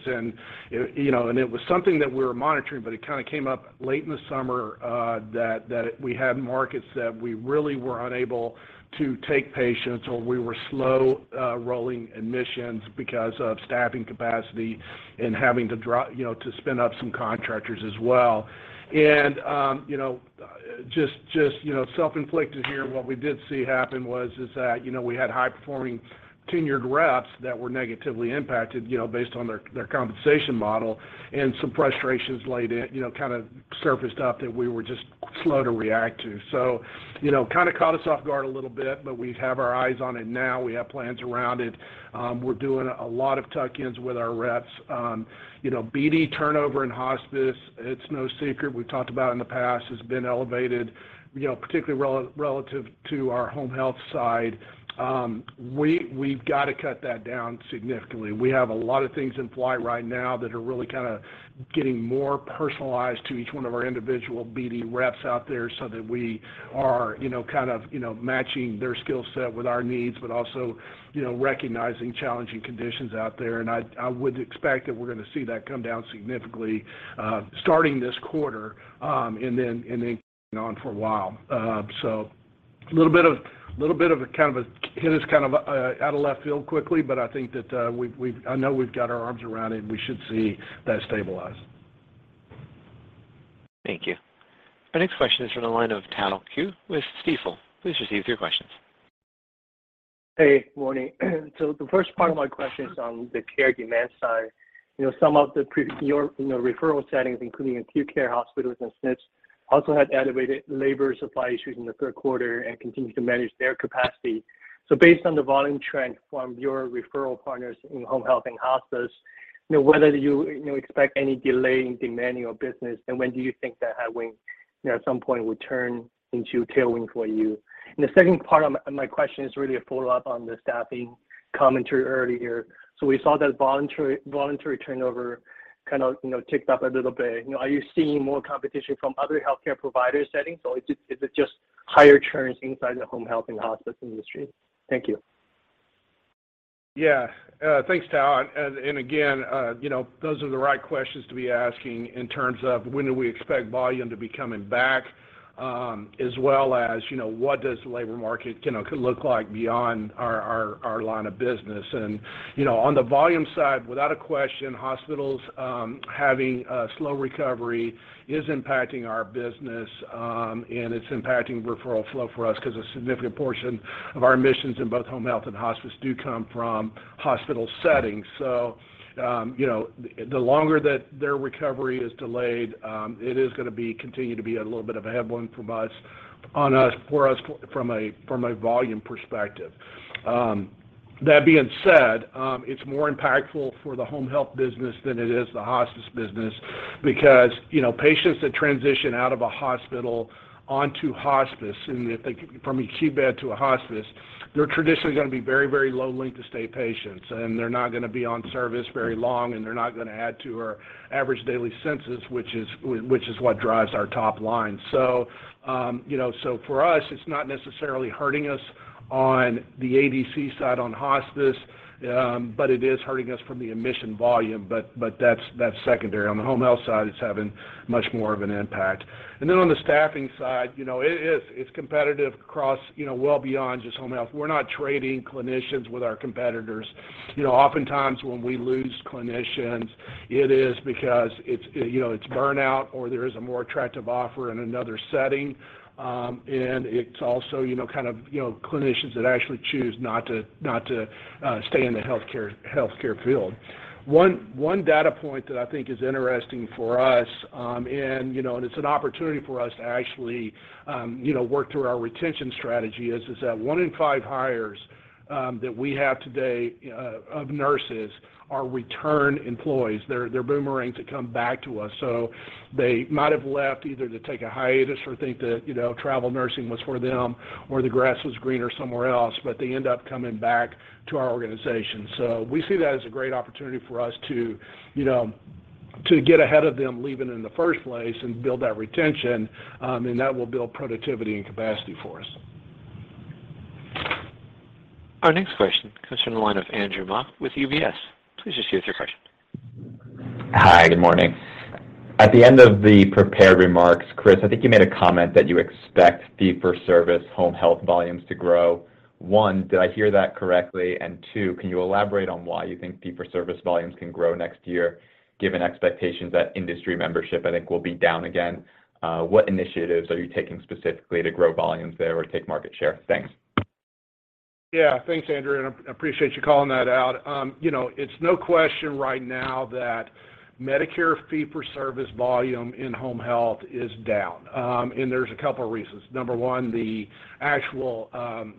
You know, it was something that we were monitoring, but it kinda came up late in the summer that we had markets that we really were unable to take patients, or we were slow rolling admissions because of staffing capacity and having to, you know, to spin up some contractors as well. You know, just you know, self-inflicted here. What we did see happen is that, you know, we had high-performing tenured reps that were negatively impacted, you know, based on their compensation model, and some frustrations laid in, you know, kinda surfaced up that we were just slow to react to. You know, kinda caught us off guard a little bit, but we have our eyes on it now. We have plans around it. We're doing a lot of tuck-ins with our reps. You know, BD turnover in hospice, it's no secret, we've talked about in the past, has been elevated, you know, particularly relative to our home health side. We've got to cut that down significantly. We have a lot of things in flight right now that are really kinda getting more personalized to each one of our individual BD reps out there so that we are, you know, kind of, you know, matching their skill set with our needs, but also, you know, recognizing challenging conditions out there. I would expect that we're gonna see that come down significantly starting this quarter and then on for a while. A little bit of a kind of a hit us kind of out of left field quickly, but I think that I know we've got our arms around it, and we should see that stabilize.
Thank you. Our next question is from the line of Tao Qiu with Stifel. Please proceed with your questions.
Hey. Morning. The first part of my question is on the care demand side. You know, some of your, you know, referral settings, including acute care hospitals and SNFs, also had elevated labor supply issues in the third quarter and continue to manage their capacity. Based on the volume trend from your referral partners in home health and hospice, you know, whether you know, expect any delay in demand for your business, and when do you think that headwind, you know, at some point would turn into tailwind for you? The second part of my question is really a follow-up on the staffing commentary earlier. We saw that voluntary turnover kind of, you know, ticked up a little bit. You know, are you seeing more competition from other healthcare provider settings, or is it just higher churns inside the home health and hospice industry? Thank you.
Yeah. Thanks, Tao. Again, you know, those are the right questions to be asking in terms of when do we expect volume to be coming back, as well as, you know, what does the labor market, you know, could look like beyond our line of business. You know, on the volume side, without question, hospitals having a slow recovery is impacting our business, and it's impacting referral flow for us 'cause a significant portion of our admissions in both home health and hospice do come from hospital settings. You know, the longer that their recovery is delayed, it is gonna continue to be a little bit of a headwind for us from a volume perspective. That being said, it's more impactful for the home health business than it is the hospice business because, you know, patients that transition out of a hospital onto hospice, and from acute bed to a hospice, they're traditionally gonna be very, very low length of stay patients, and they're not gonna be on service very long, and they're not gonna add to our average daily census, which is what drives our top line. You know, so for us, it's not necessarily hurting us on the ADC side on hospice, but it is hurting us from the admission volume, but that's secondary. On the home health side, it's having much more of an impact. Then on the staffing side, you know, it's competitive across, you know, well beyond just home health. We're not trading clinicians with our competitors. You know, oftentimes when we lose clinicians, it is because it's, you know, it's burnout or there is a more attractive offer in another setting, and it's also, you know, kind of, you know, clinicians that actually choose not to stay in the healthcare field. One data point that I think is interesting for us, and you know, it's an opportunity for us to actually work through our retention strategy is that one in five hires that we have today of nurses are return employees. They're boomeranging to come back to us. They might have left either to take a hiatus or think that, you know, travel nursing was for them or the grass was greener somewhere else, but they end up coming back to our organization. We see that as a great opportunity for us to, you know, to get ahead of them leaving in the first place and build that retention, and that will build productivity and capacity for us.
Our next question comes from the line of Andrew Mok with UBS. Please just give us your question.
Hi. Good morning. At the end of the prepared remarks, Chris, I think you made a comment that you expect fee for service home health volumes to grow. One, did I hear that correctly? Two, can you elaborate on why you think fee for service volumes can grow next year given expectations that industry membership, I think, will be down again? What initiatives are you taking specifically to grow volumes there or take market share? Thanks.
Yeah. Thanks, Andrew, and I appreciate you calling that out. You know, it's no question right now that Medicare fee-for-service volume in home health is down, and there's a couple reasons. Number one, the actual,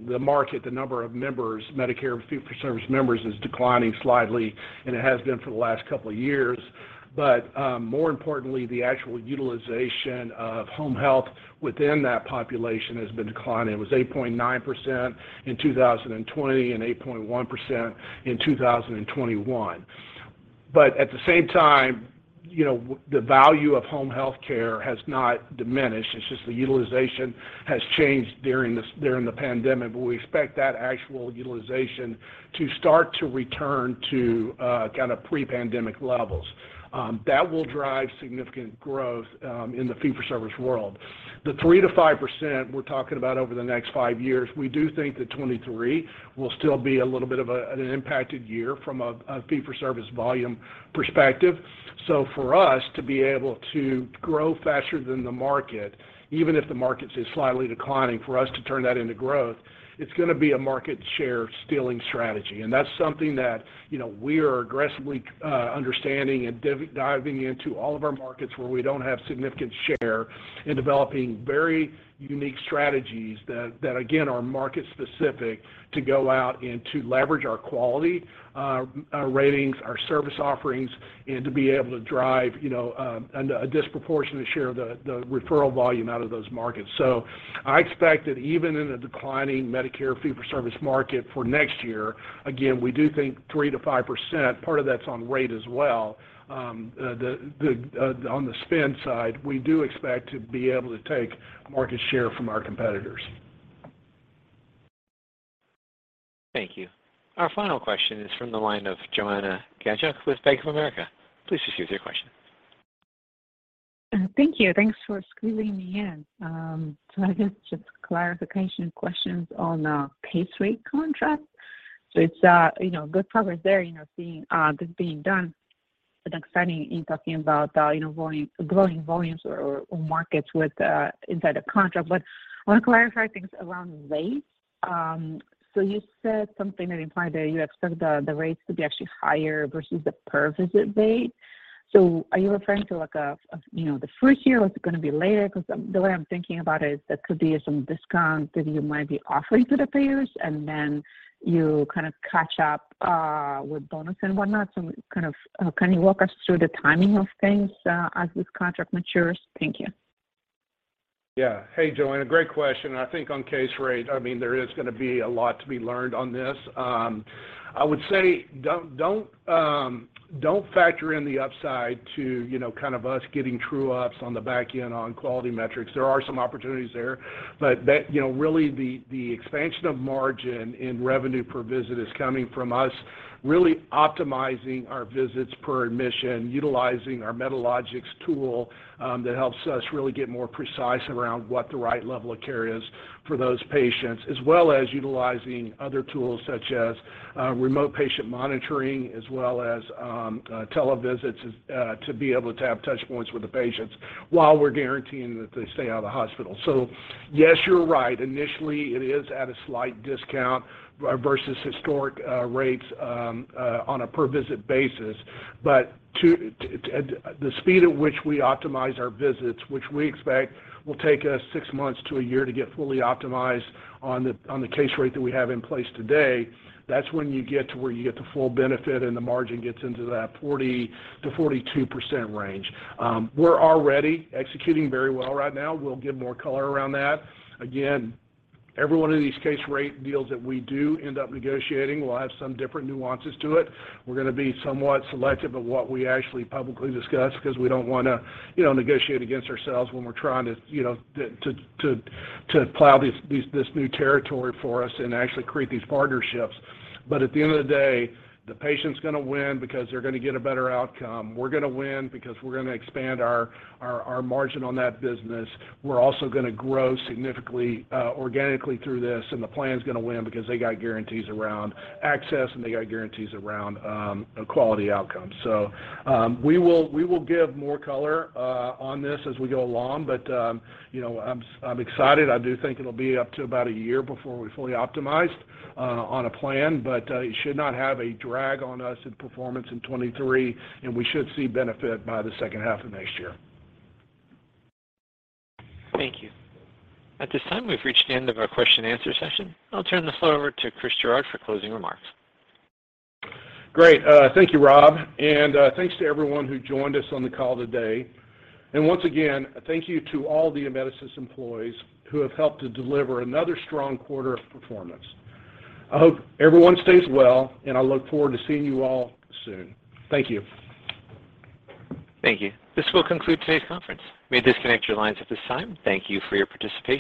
the market, the number of members, Medicare fee-for-service members is declining slightly, and it has been for the last couple of years. More importantly, the actual utilization of home health within that population has been declining. It was 8.9% in 2020 and 8.1% in 2021. At the same time, you know, the value of home health care has not diminished. It's just the utilization has changed during the pandemic. We expect that actual utilization to start to return to kinda pre-pandemic levels. That will drive significant growth in the fee for service world. The 3%-5% we're talking about over the next five years, we do think that 2023 will still be a little bit of an impacted year from a fee for service volume perspective. For us to be able to grow faster than the market, even if the market is slightly declining, for us to turn that into growth, it's gonna be a market share stealing strategy. That's something that, you know, we are aggressively understanding and diving into all of our markets where we don't have significant share in developing very unique strategies that again, are market specific to go out and to leverage our quality, our ratings, our service offerings, and to be able to drive, you know, a disproportionate share of the referral volume out of those markets. I expect that even in a declining Medicare fee-for-service market for next year, again, we do think 3%-5%, part of that's on rate as well, on the spend side, we do expect to be able to take market share from our competitors.
Thank you. Our final question is from the line of Joanna Gajuk with Bank of America. Please proceed with your question.
Thank you. Thanks for squeezing me in. I guess just clarification questions on case rate contracts. It's you know, good progress there, you know, seeing this being done. Exciting in talking about you know, volume, growing volumes or markets with inside a contract. I wanna clarify things around rates. You said something that implied that you expect the rates to be actually higher versus the per visit rate. Are you referring to like a you know, the first year or is it gonna be later? Because the way I'm thinking about it, that could be some discount that you might be offering to the payers and then you kind of catch up with bonus and whatnot. Kind of, can you walk us through the timing of things, as this contract matures? Thank you.
Yeah. Hey, Joanna. Great question, and I think on case rate, I mean, there is gonna be a lot to be learned on this. I would say don't factor in the upside to, you know, kind of us getting true ups on the back end on quality metrics. There are some opportunities there, but that, you know, really the expansion of margin in revenue per visit is coming from us really optimizing our visits per admission, utilizing our Medalogix tool that helps us really get more precise around what the right level of care is for those patients, as well as utilizing other tools such as remote patient monitoring as well as televisits to be able to have touch points with the patients while we're guaranteeing that they stay out of the hospital. Yes, you're right. Initially, it is at a slight discount versus historical rates on a per visit basis. At the speed at which we optimize our visits, which we expect will take us six months to a year to get fully optimized on the case rate that we have in place today, that's when you get to where you get the full benefit and the margin gets into that 40%-42% range. We're already executing very well right now. We'll give more color around that. Again, every one of these case rate deals that we do end up negotiating will have some different nuances to it. We're gonna be somewhat selective of what we actually publicly discuss because we don't wanna, you know, negotiate against ourselves when we're trying to, you know, to plow this new territory for us and actually create these partnerships. At the end of the day, the patient's gonna win because they're gonna get a better outcome. We're gonna win because we're gonna expand our margin on that business. We're also gonna grow significantly organically through this, and the plan's gonna win because they got guarantees around access, and they got guarantees around quality outcomes. We will give more color on this as we go along. You know, I'm excited. I do think it'll be up to about a year before we're fully optimized on a plan, but it should not have a drag on us in performance in 2023, and we should see benefit by the second half of next year.
Thank you. At this time, we've reached the end of our question and answer session. I'll turn the floor over to Chris Gerard for closing remarks.
Great. Thank you, Rob. Thanks to everyone who joined us on the call today. Once again, thank you to all the Amedisys employees who have helped to deliver another strong quarter of performance. I hope everyone stays well, and I look forward to seeing you all soon. Thank you.
Thank you. This will conclude today's conference. You may disconnect your lines at this time. Thank you for your participation.